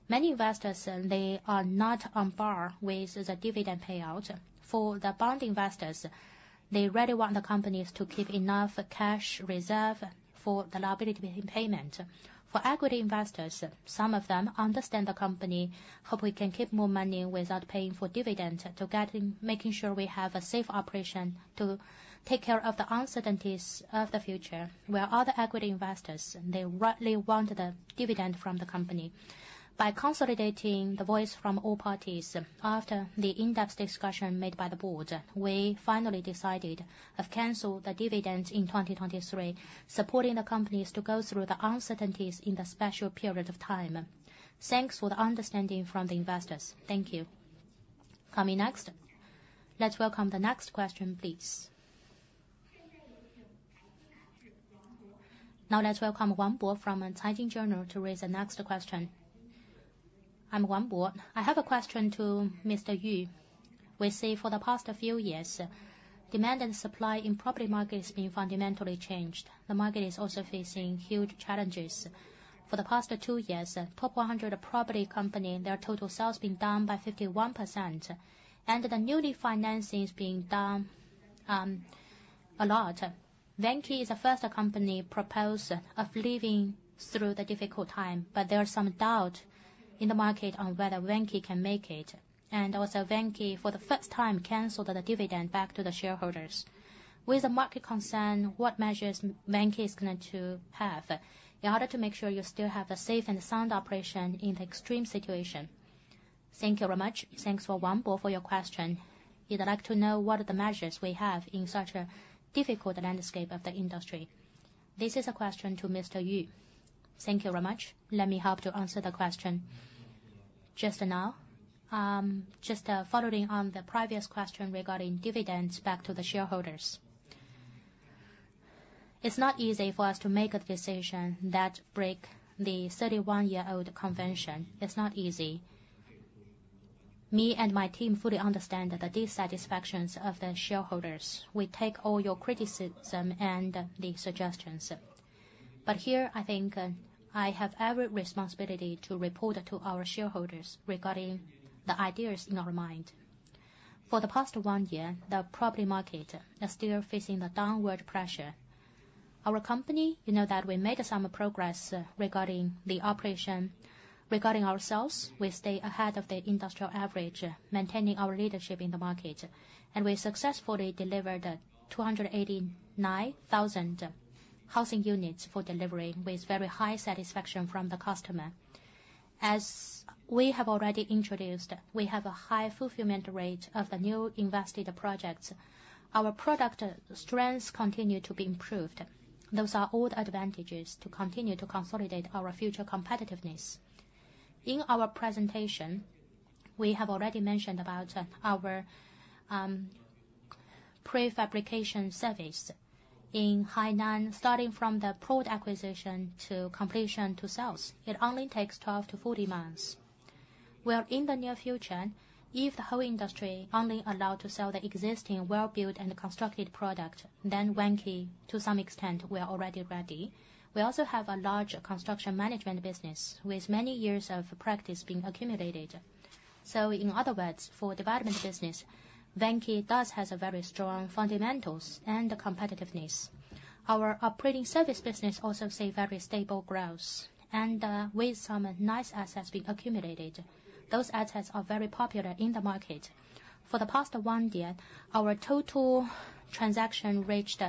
Many investors, they are not on par with the dividend payout. For the bond investors, they really want the companies to keep enough cash reserve for the liability repayment. For equity investors, some of them understand the company, hope we can keep more money without paying for dividends, to make sure we have a safe operation to take care of the uncertainties of the future. While other equity investors, they rightly want the dividend from the company. By consolidating the voice from all parties, after the in-depth discussion made by the board, we finally decided to cancel the dividends in 2023, supporting the companies to go through the uncertainties in the special period of time. Thanks for the understanding from the investors. Thank you. Coming next, let's welcome the next question, please. Now, let's welcome Wang Bo from Caixin Journal to raise the next question. I'm Wang Bo. I have a question for Mr. Yu. We see for the past few years, demand and supply in property markets have been fundamentally changed. The market is also facing huge challenges. For the past two years, the top 100 property companies, their total sales have been down by 51%, and the newly financing has been down a lot. Vanke is the first company proposed to leave through the difficult time, but there is some doubt in the market on whether Vanke can make it. And also Vanke, for the first time, canceled the dividend back to the shareholders. With the market concerned, what measures is Vanke going to have in order to make sure you still have a safe and sound operation in the extreme situation? Thank you very much. Thanks for Wang Bo for your question. You'd like to know what are the measures we have in such a difficult landscape of the industry. This is a question for Mr. Yu. Thank you very much. Let me help to answer the question. Just now, just following on the previous question regarding dividends back to the shareholders, it's not easy for us to make a decision that breaks the 31-year-old convention. It's not easy. Me and my team fully understand the dissatisfactions of the shareholders. We take all your criticism and the suggestions. But here, I think I have every responsibility to report to our shareholders regarding the ideas in our mind. For the past one year, the property market is still facing the downward pressure. Our company, you know that we made some progress regarding the operation. Regarding ourselves, we stay ahead of the industrial average, maintaining our leadership in the market. And we successfully delivered 289,000 housing units for delivery with very high satisfaction from the customer. As we have already introduced, we have a high fulfillment rate of the newly invested projects. Our product strengths continue to be improved. Those are all the advantages to continue to consolidate our future competitiveness. In our presentation, we have already mentioned about our prefabrication service in Hainan, starting from the product acquisition to completion to sales. It only takes 12-14 months. While in the near future, if the whole industry only allows us to sell the existing well-built and constructed product, then Vanke, to some extent, will already be ready. We also have a large construction management business with many years of practice being accumulated. So in other words, for the development business, Vanke does have very strong fundamentals and competitiveness. Our operating service business also sees very stable growth. And with some nice assets being accumulated, those assets are very popular in the market. For the past one year, our total transactions reached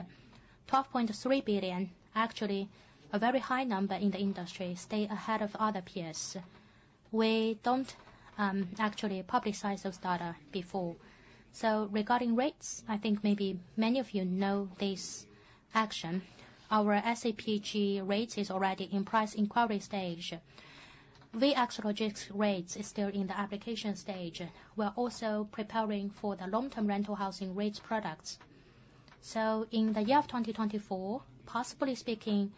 12.3 billion, actually a very high number in the industry, staying ahead of other peers. We don't actually publicize those data before. So regarding REITs, I think maybe many of you know this action. Our SCPG REIT is already in the price inquiry stage. VX Logistics REIT is still in the application stage. We're also preparing for the long-term rental housing REITs products. So in the year of 2024, possibly speaking,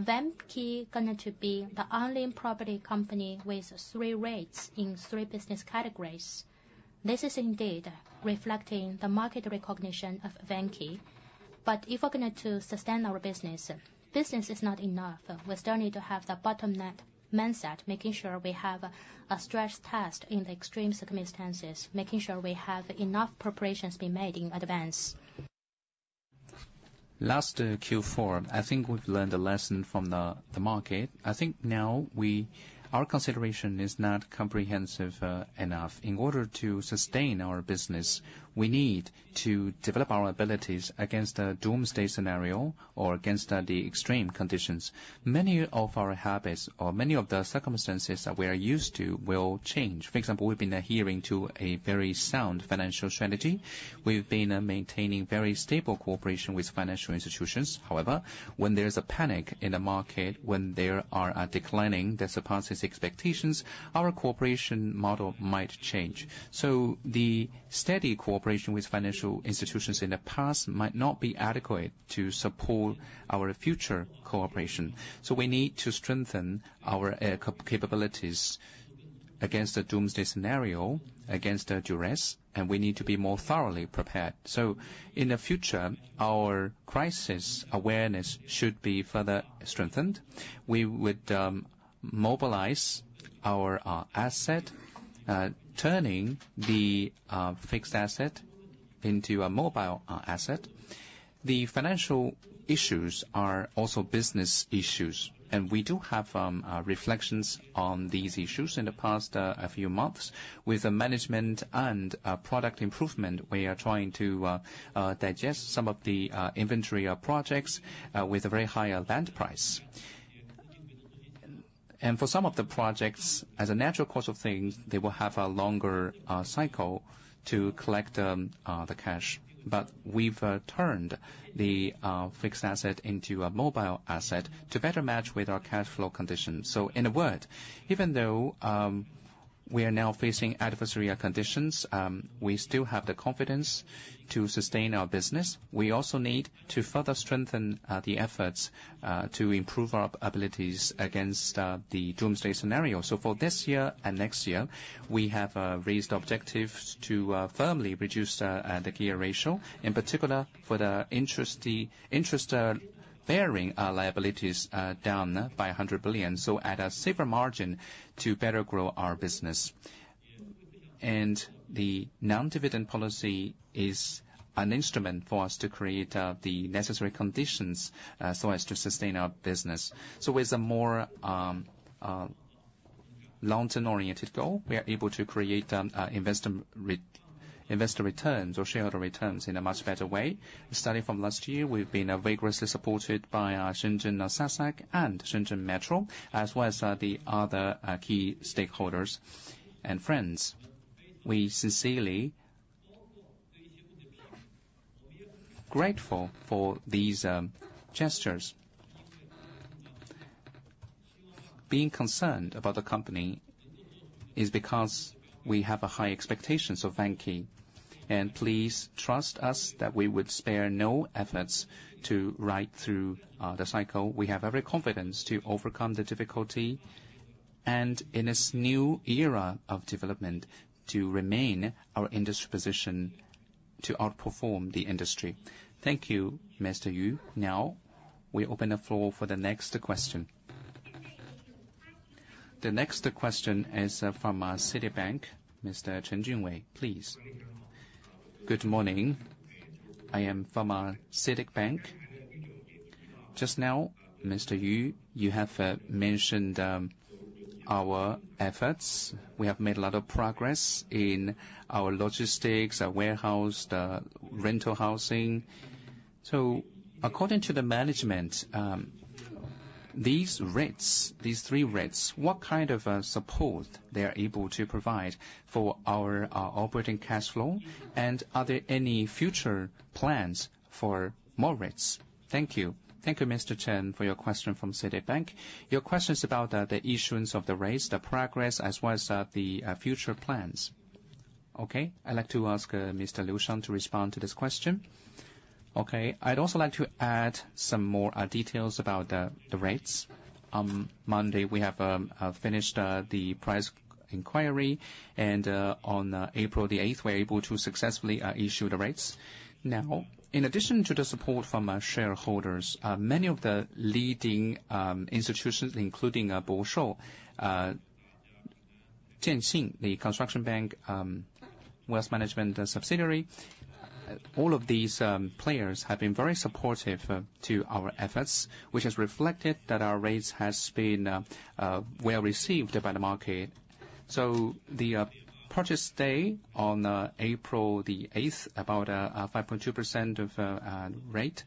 Vanke is going to be the only property company with three REITs in three business categories. This is indeed reflecting the market recognition of Vanke. But if we're going to sustain our business, business is not enough. We still need to have the bottom-line mindset, making sure we have a stress test in the extreme circumstances, making sure we have enough preparations being made in advance. Last Q4, I think we've learned a lesson from the market. I think now our consideration is not comprehensive enough. In order to sustain our business, we need to develop our abilities against a doomsday scenario or against the extreme conditions. Many of our habits or many of the circumstances that we are used to will change. For example, we've been adhering to a very sound financial strategy. We've been maintaining very stable cooperation with financial institutions. However, when there is a panic in the market, when there are declines that surpass expectations, our cooperation model might change. So the steady cooperation with financial institutions in the past might not be adequate to support our future cooperation. So we need to strengthen our capabilities against a doomsday scenario, against duress, and we need to be more thoroughly prepared. So in the future, our crisis awareness should be further strengthened. We would mobilize our assets, turning the fixed assets into a mobile asset. The financial issues are also business issues. We do have reflections on these issues in the past few months. With the management and product improvement, we are trying to digest some of the inventory of projects with a very high land price. For some of the projects, as a natural course of things, they will have a longer cycle to collect the cash. But we've turned the fixed asset into a mobile asset to better match with our cash flow conditions. So in a word, even though we are now facing adversarial conditions, we still have the confidence to sustain our business. We also need to further strengthen the efforts to improve our abilities against the doomsday scenario. So for this year and next year, we have raised objectives to firmly reduce the gear ratio, in particular for the interest-bearing liabilities down by 100 billion, so at a safer margin to better grow our business. The non-dividend policy is an instrument for us to create the necessary conditions so as to sustain our business. With a more long-term-oriented goal, we are able to create investor returns or shareholder returns in a much better way. Starting from last year, we've been vigorously supported by Shenzhen SASAC and Shenzhen Metro, as well as the other key stakeholders and friends. We are grateful for these gestures. Being concerned about the company is because we have high expectations of Vanke. Please trust us that we would spare no efforts to ride through the cycle. We have every confidence to overcome the difficulty and, in this new era of development, to remain our industry position, to outperform the industry. Thank you, Mr. Yu. Now, we open the floor for the next question. The next question is from Citibank, Mr. Chen Jingwei. Please. Good morning. I am from Citibank. Just now, Mr. Yu, you have mentioned our efforts. We have made a lot of progress in our logistics, our warehouse, the rental housing. So according to the management, these three REITs, what kind of support are they able to provide for our operating cash flow? And are there any future plans for more REITs? Thank you. Thank you, Mr. Chen, for your question from Citibank. Your question is about the issuance of the REITs, the progress, as well as the future plans. Okay. I'd like to ask Mr. Liu Xiao to respond to this question. Okay. I'd also like to add some more details about the REITs. On Monday, we have finished the price inquiry. And on April the 8th, we were able to successfully issue the REITs. Now, in addition to the support from shareholders, many of the leading institutions, including Bosera, CCB, the construction bank wealth management subsidiary, all of these players have been very supportive of our efforts, which has reflected that our REITs have been well received by the market. So the purchase day on April the 8th, about 5.2% of rate,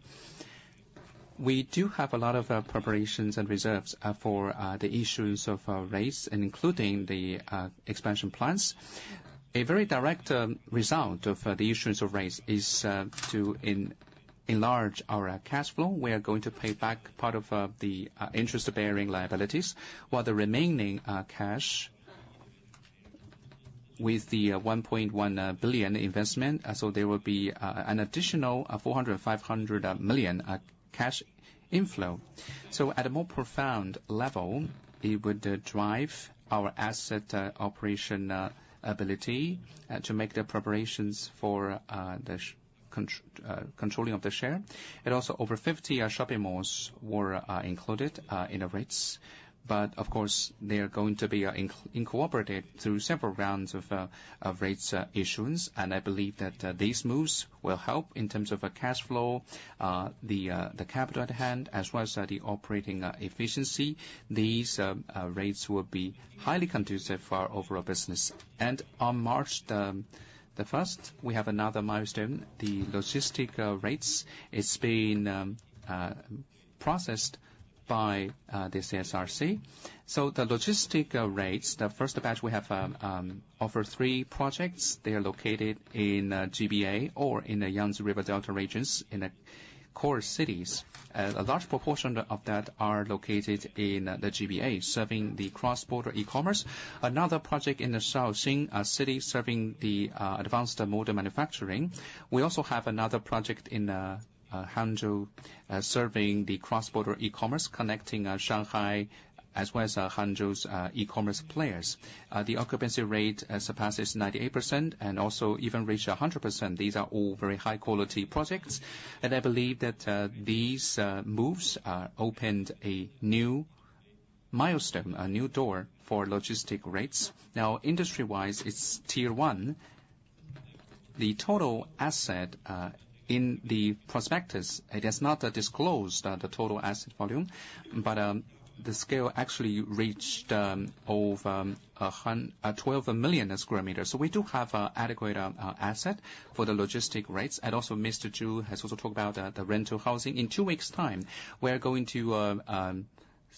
we do have a lot of preparations and reserves for the issuance of REITs, including the expansion plans. A very direct result of the issuance of REITs is to enlarge our cash flow. We are going to pay back part of the interest-bearing liabilities while the remaining cash, with the 1.1 billion investment, so there will be an additional 400 million-500 million cash inflow. So at a more profound level, it would drive our asset operation ability to make the preparations for the controlling of the share. And also, over 50 shopping malls were included in the REITs. But of course, they are going to be incorporated through several rounds of REITs issuance. And I believe that these moves will help in terms of cash flow, the capital at hand, as well as the operating efficiency. These REITs will be highly conducive for our overall business. And on March 1st, we have another milestone, the logistic REITs. It's been processed by the CSRC. So the logistic REITs, the first batch, we have offered three projects. They are located in GBA or in the Yangtze River Delta regions, in the core cities. A large proportion of that are located in the GBA, serving the cross-border e-commerce. Another project in the Shaoxing city, serving the advanced motor manufacturing. We also have another project in Hangzhou, serving the cross-border e-commerce, connecting Shanghai as well as Hangzhou's e-commerce players. The occupancy rate surpasses 98% and also even reached 100%. These are all very high-quality projects. And I believe that these moves opened a new milestone, a new door for logistic REITs. Now, industry-wise, it's tier one. The total asset in the prospectus, it has not disclosed the total asset volume, but the scale actually reached over 12 million sqm. So we do have adequate assets for the logistic REITs. And also, Mr. Zhu has also talked about the rental housing. In two weeks' time, we are going to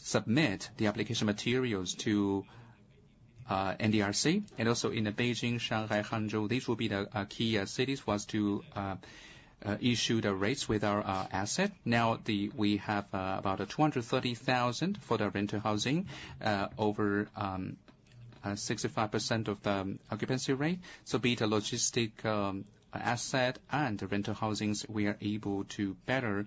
submit the application materials to NDRC. Also in Beijing, Shanghai, Hangzhou, these will be the key cities for us to issue the REITs with our assets. Now, we have about 230,000 for the rental housing, over 65% of the occupancy rate. So be it a logistics asset and rental housings, we are able to better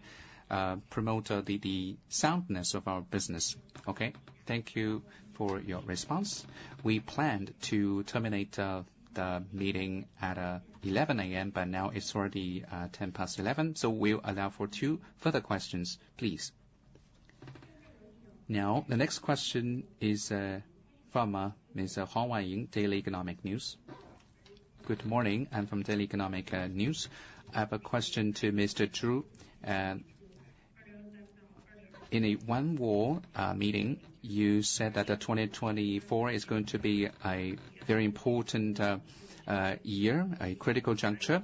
promote the soundness of our business. Okay. Thank you for your response. We planned to terminate the meeting at 11:00 A.M., but now it's already 11:10 A.M. So we'll allow for two further questions. Please. Now, the next question is from Mr. Huang Wanying, Daily Economic News. Good morning. I'm from Daily Economic News. I have a question to Mr. Zhu. In a Onewo meeting, you said that 2024 is going to be a very important year, a critical juncture.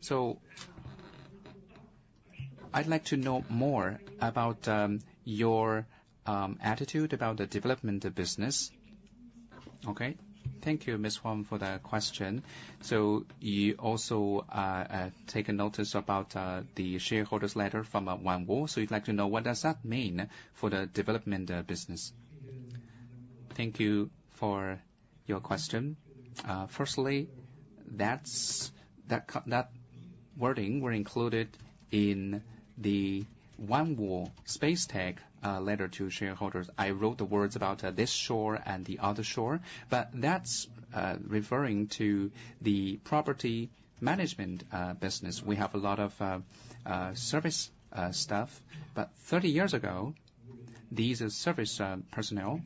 So I'd like to know more about your attitude about the development of business. Okay. Thank you, Ms. Huang, for the question. So you also take notice about the shareholders' letter from Onewo. So you'd like to know, what does that mean for the development of business? Thank you for your question. Firstly, that wording was included in the Onewo Space-Tech letter to shareholders. I wrote the words about this shore and the other shore. But that's referring to the property management business. We have a lot of service stuff. But 30 years ago, these service personnel,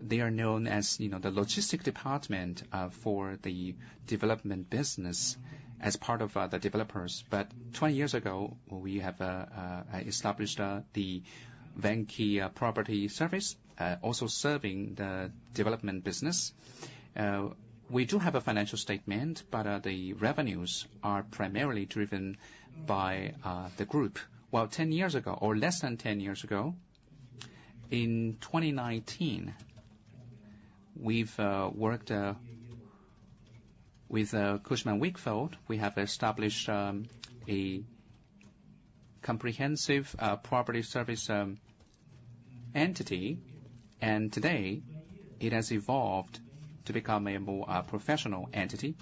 they are known as the logistics department for the development business as part of the developers. But 20 years ago, we have established the Vanke property service, also serving the development business. We do have a financial statement, but the revenues are primarily driven by the group. While 10 years ago, or less than 10 years ago, in 2019, we've worked with Cushman & Wakefield. We have established a comprehensive property service entity. Today, it has evolved to become a more professional entity,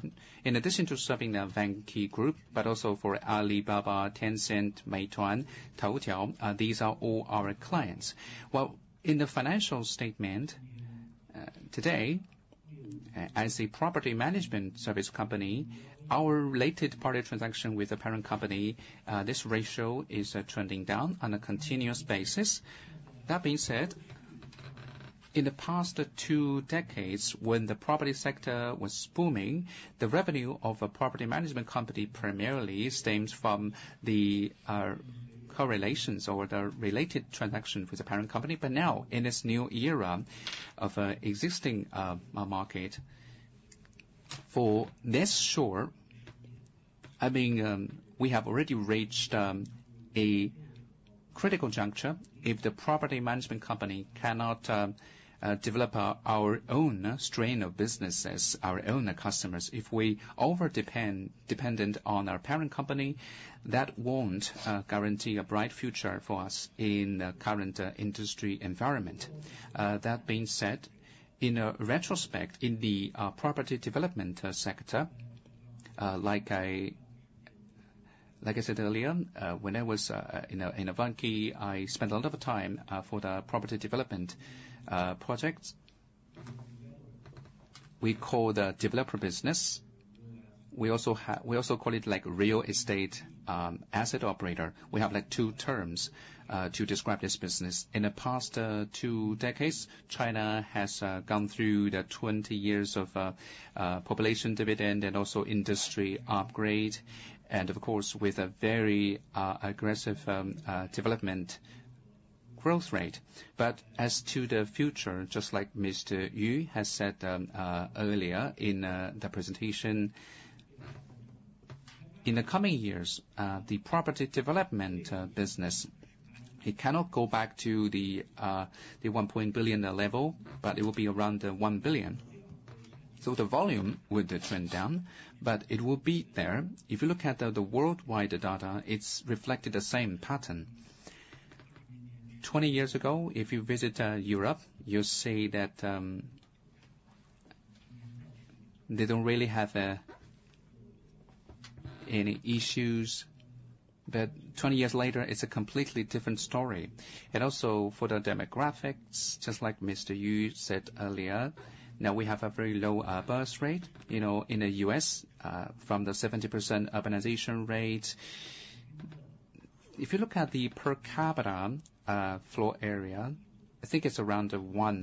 in addition to serving the Vanke group, but also for Alibaba, Tencent, Meituan, Toutiao. These are all our clients. While in the financial statement today, as a property management service company, our related party transaction with the parent company, this ratio is trending down on a continuous basis. That being said, in the past two decades, when the property sector was booming, the revenue of a property management company primarily stems from the correlations or the related transaction with the parent company. But now, in this new era of an existing market, for this sector, I mean, we have already reached a critical juncture. If the property management company cannot develop our own strain of businesses, our own customers, if we're overdependent on our parent company, that won't guarantee a bright future for us in the current industry environment. That being said, in retrospect, in the property development sector, like I said earlier, when I was in Vanke, I spent a lot of time for the property development projects. We call the developer business. We also call it real estate asset operator. We have two terms to describe this business. In the past two decades, China has gone through the 20 years of population dividend and also industry upgrade, and of course, with a very aggressive development growth rate. But as to the future, just like Mr. Yu has said earlier in the presentation, in the coming years, the property development business, it cannot go back to the 1.1 billion level, but it will be around 1 billion. So the volume would trend down, but it will be there. If you look at the worldwide data, it's reflected the same pattern. 20 years ago, if you visit Europe, you'll see that they don't really have any issues. 20 years later, it's a completely different story. For the demographics, just like Mr. Yu said earlier, now we have a very low birth rate. In the U.S., from the 70% urbanization rate, if you look at the per capita floor area, I think it's around 1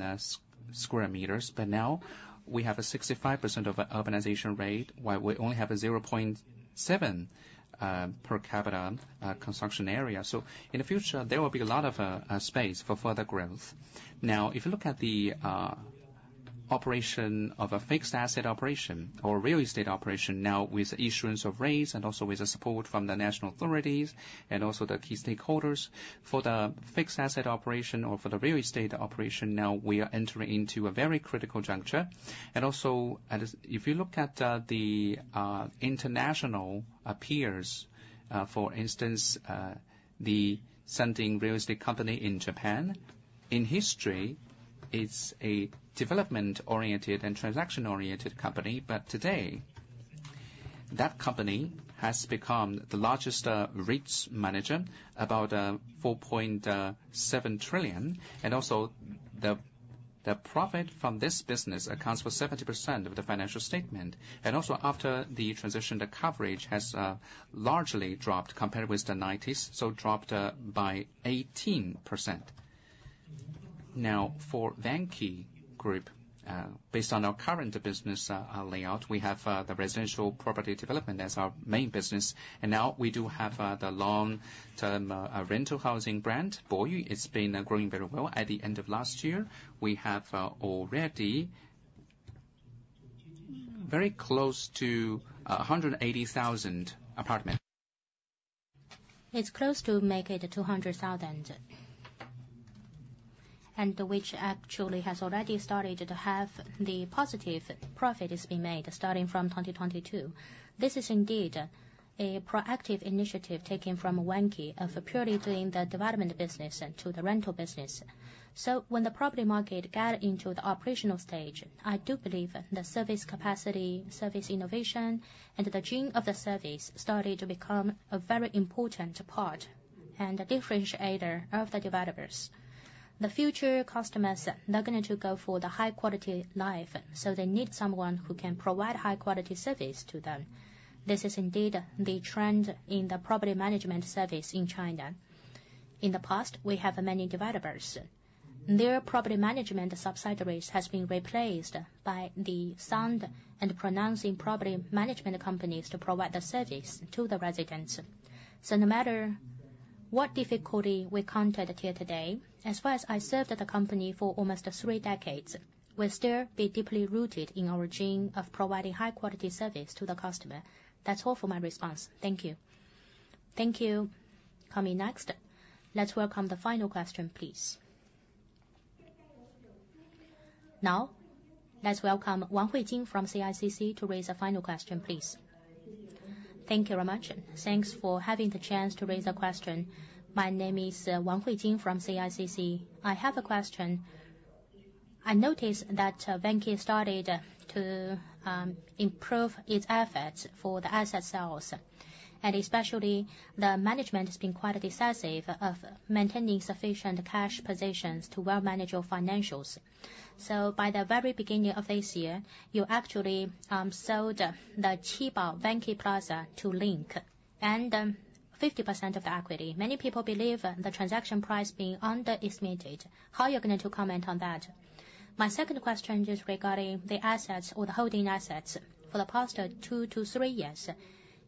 sqm. But now, we have a 65% urbanization rate, while we only have a 0.7 per capita construction area. So in the future, there will be a lot of space for further growth. Now, if you look at the operation of a fixed asset operation or real estate operation, now with the issuance of REITs and also with the support from the national authorities and also the key stakeholders, for the fixed asset operation or for the real estate operation, now we are entering into a very critical juncture. And also, if you look at the international peers, for instance, the Mitsui Fudosan real estate company in Japan, in history, it's a development-oriented and transaction-oriented company. But today, that company has become the largest REITs manager, about 4.7 trillion. And also, the profit from this business accounts for 70% of the financial statement. And also, after the transition, the coverage has largely dropped compared with the '90s, so dropped by 18%. Now, for Vanke Group, based on our current business layout, we have the residential property development as our main business. And now, we do have the long-term rental housing brand, Boyu. It's been growing very well. At the end of last year, we have already very close to 180,000 apartments. It's close to make it 200,000, and which actually has already started to have the positive profit being made starting from 2022. This is indeed a proactive initiative taken from Vanke of purely doing the development business to the rental business. So when the property market got into the operational stage, I do believe the service capacity, service innovation, and the gene of the service started to become a very important part and a differentiator of the developers. The future customers, they're going to go for the high-quality life, so they need someone who can provide high-quality service to them. This is indeed the trend in the property management service in China. In the past, we have many developers. Their property management subsidiaries have been replaced by the sound and professional property management companies to provide the service to the residents. So no matter what difficulty we encountered here today, as far as I served the company for almost three decades, we'll still be deeply rooted in our gene of providing high-quality service to the customer. That's all for my response. Thank you. Thank you. Coming next, let's welcome the final question, please. Now, let's welcome Wang Huijing from CICC to raise a final question, please. Thank you very much. Thanks for having the chance to raise a question. My name is Wang Huijing from CICC. I have a question. I noticed that Vanke started to improve its efforts for the asset sales, and especially the management has been quite decisive of maintaining sufficient cash positions to well manage your financials. So by the very beginning of this year, you actually sold the Qibao Vanke Plaza to Link and 50% of the equity. Many people believe the transaction price being underestimated. How are you going to comment on that? My second question is regarding the assets or the holding assets for the past two to three years.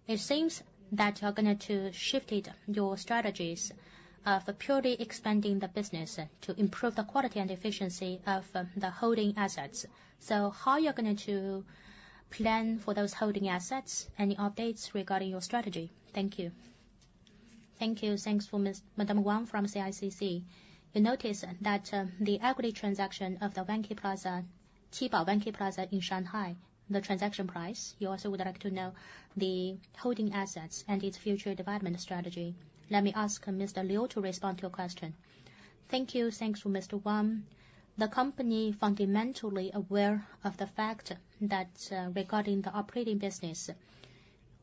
It seems that you're going to shift your strategies of purely expanding the business to improve the quality and efficiency of the holding assets. So how are you going to plan for those holding assets? Any updates regarding your strategy? Thank you. Thank you. Thanks for Madame Wang from CICC. You notice that the equity transaction of the Vanke Plaza, Qibao Vanke Plaza in Shanghai, the transaction price, you also would like to know the holding assets and its future development strategy. Let me ask Mr. Liu to respond to your question. Thank you. Thanks for Ms. Wang. The company is fundamentally aware of the fact that regarding the operating business,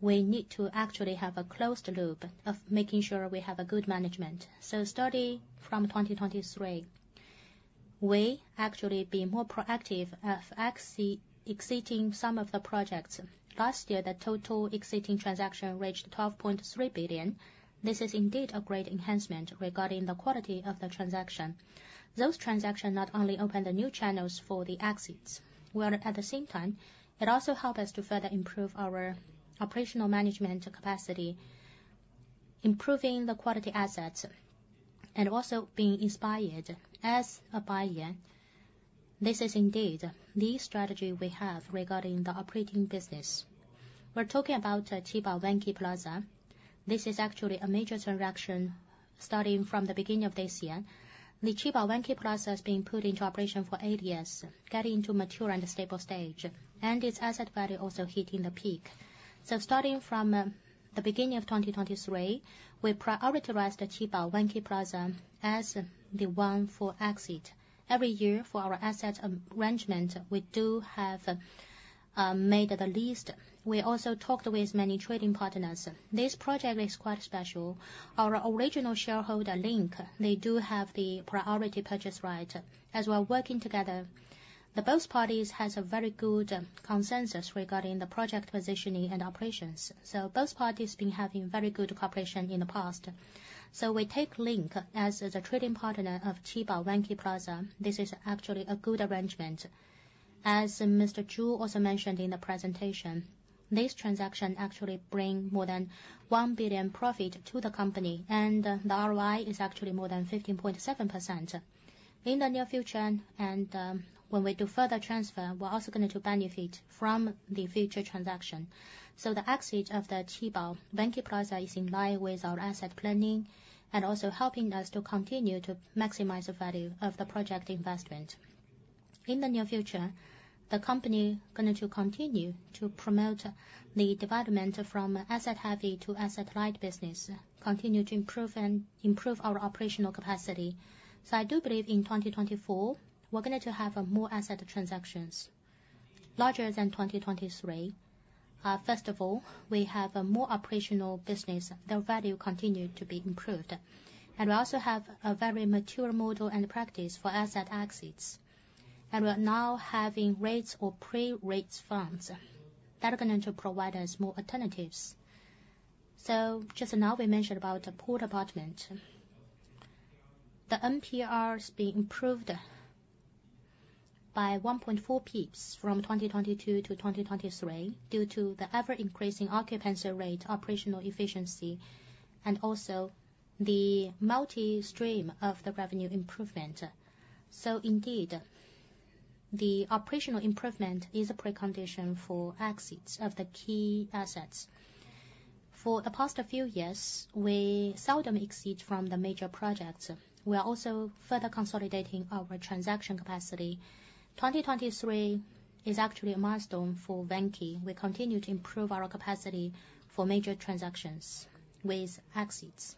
we need to actually have a closed loop of making sure we have a good management. So starting from 2023, we actually be more proactive of exiting some of the projects. Last year, the total exiting transaction reached 12.3 billion. This is indeed a great enhancement regarding the quality of the transaction. Those transactions not only open the new channels for the exits, while at the same time, it also helps us to further improve our operational management capacity, improving the quality assets, and also being inspired as a buyer. This is indeed the strategy we have regarding the operating business. We're talking about Qibao Vanke Plaza. This is actually a major transaction starting from the beginning of this year. The Qibao Vanke Plaza has been put into operation for eight years, getting into a mature and stable stage, and its asset value also hitting the peak. So starting from the beginning of 2023, we prioritized the Qibao Vanke Plaza as the one for exit. Every year, for our asset arrangement, we do have made the list. We also talked with many trading partners. This project is quite special. Our original shareholder, Link, they do have the priority purchase right as we're working together. Both parties have a very good consensus regarding the project positioning and operations. So both parties have been having very good cooperation in the past. So we take Link as the trading partner of Qibao Vanke Plaza. This is actually a good arrangement. As Mr. Zhu also mentioned in the presentation, this transaction actually brings more than 1 billion profit to the company, and the ROI is actually more than 15.7%. In the near future, and when we do further transfer, we're also going to benefit from the future transaction. So the exit of the Qibao Vanke Plaza is in line with our asset planning and also helping us to continue to maximize the value of the project investment. In the near future, the company is going to continue to promote the development from asset-heavy to asset-light business, continue to improve our operational capacity. So I do believe in 2024, we're going to have more asset transactions larger than 2023. First of all, we have more operational business. Their value continues to be improved. And we also have a very mature model and practice for asset exits. We're now having REITs or pre-REIT funds that are going to provide us more alternatives. So just now, we mentioned about the Port Apartment. The NOI has been improved by 1.4 percentage points from 2022 to 2023 due to the ever-increasing occupancy rate, operational efficiency, and also the multi-stream of the revenue improvement. So indeed, the operational improvement is a precondition for exits of the key assets. For the past few years, we seldom exit from the major projects. We are also further consolidating our transaction capacity. 2023 is actually a milestone for Vanke. We continue to improve our capacity for major transactions with exits.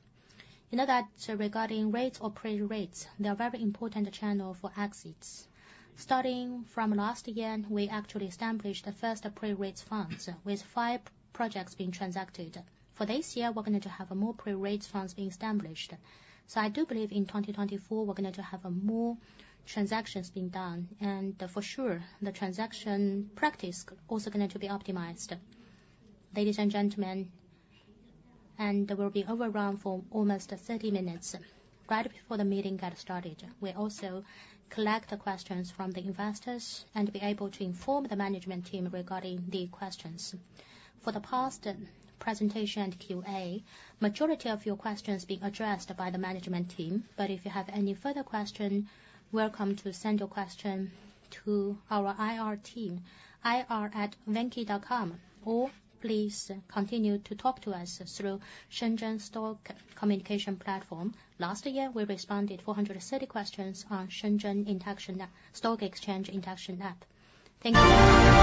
In other words, regarding REITs or pre-REITs, they're a very important channel for exits. Starting from last year, we actually established the first pre-REIT funds with five projects being transacted. For this year, we're going to have more pre-REIT funds being established. So I do believe in 2024, we're going to have more transactions being done. And for sure, the transaction practice is also going to be optimized. Ladies and gentlemen. We'll be overrun for almost 30 minutes right before the meeting gets started. We also collect questions from the investors and be able to inform the management team regarding the questions. For the past presentation and Q&A, the majority of your questions have been addressed by the management team. But if you have any further questions, welcome to send your question to our IR team, ir@vanke.com, or please continue to talk to us through Shenzhen Stock communication platform. Last year, we responded to 430 questions on Shenzhen Stock Exchange interaction app. Thank you.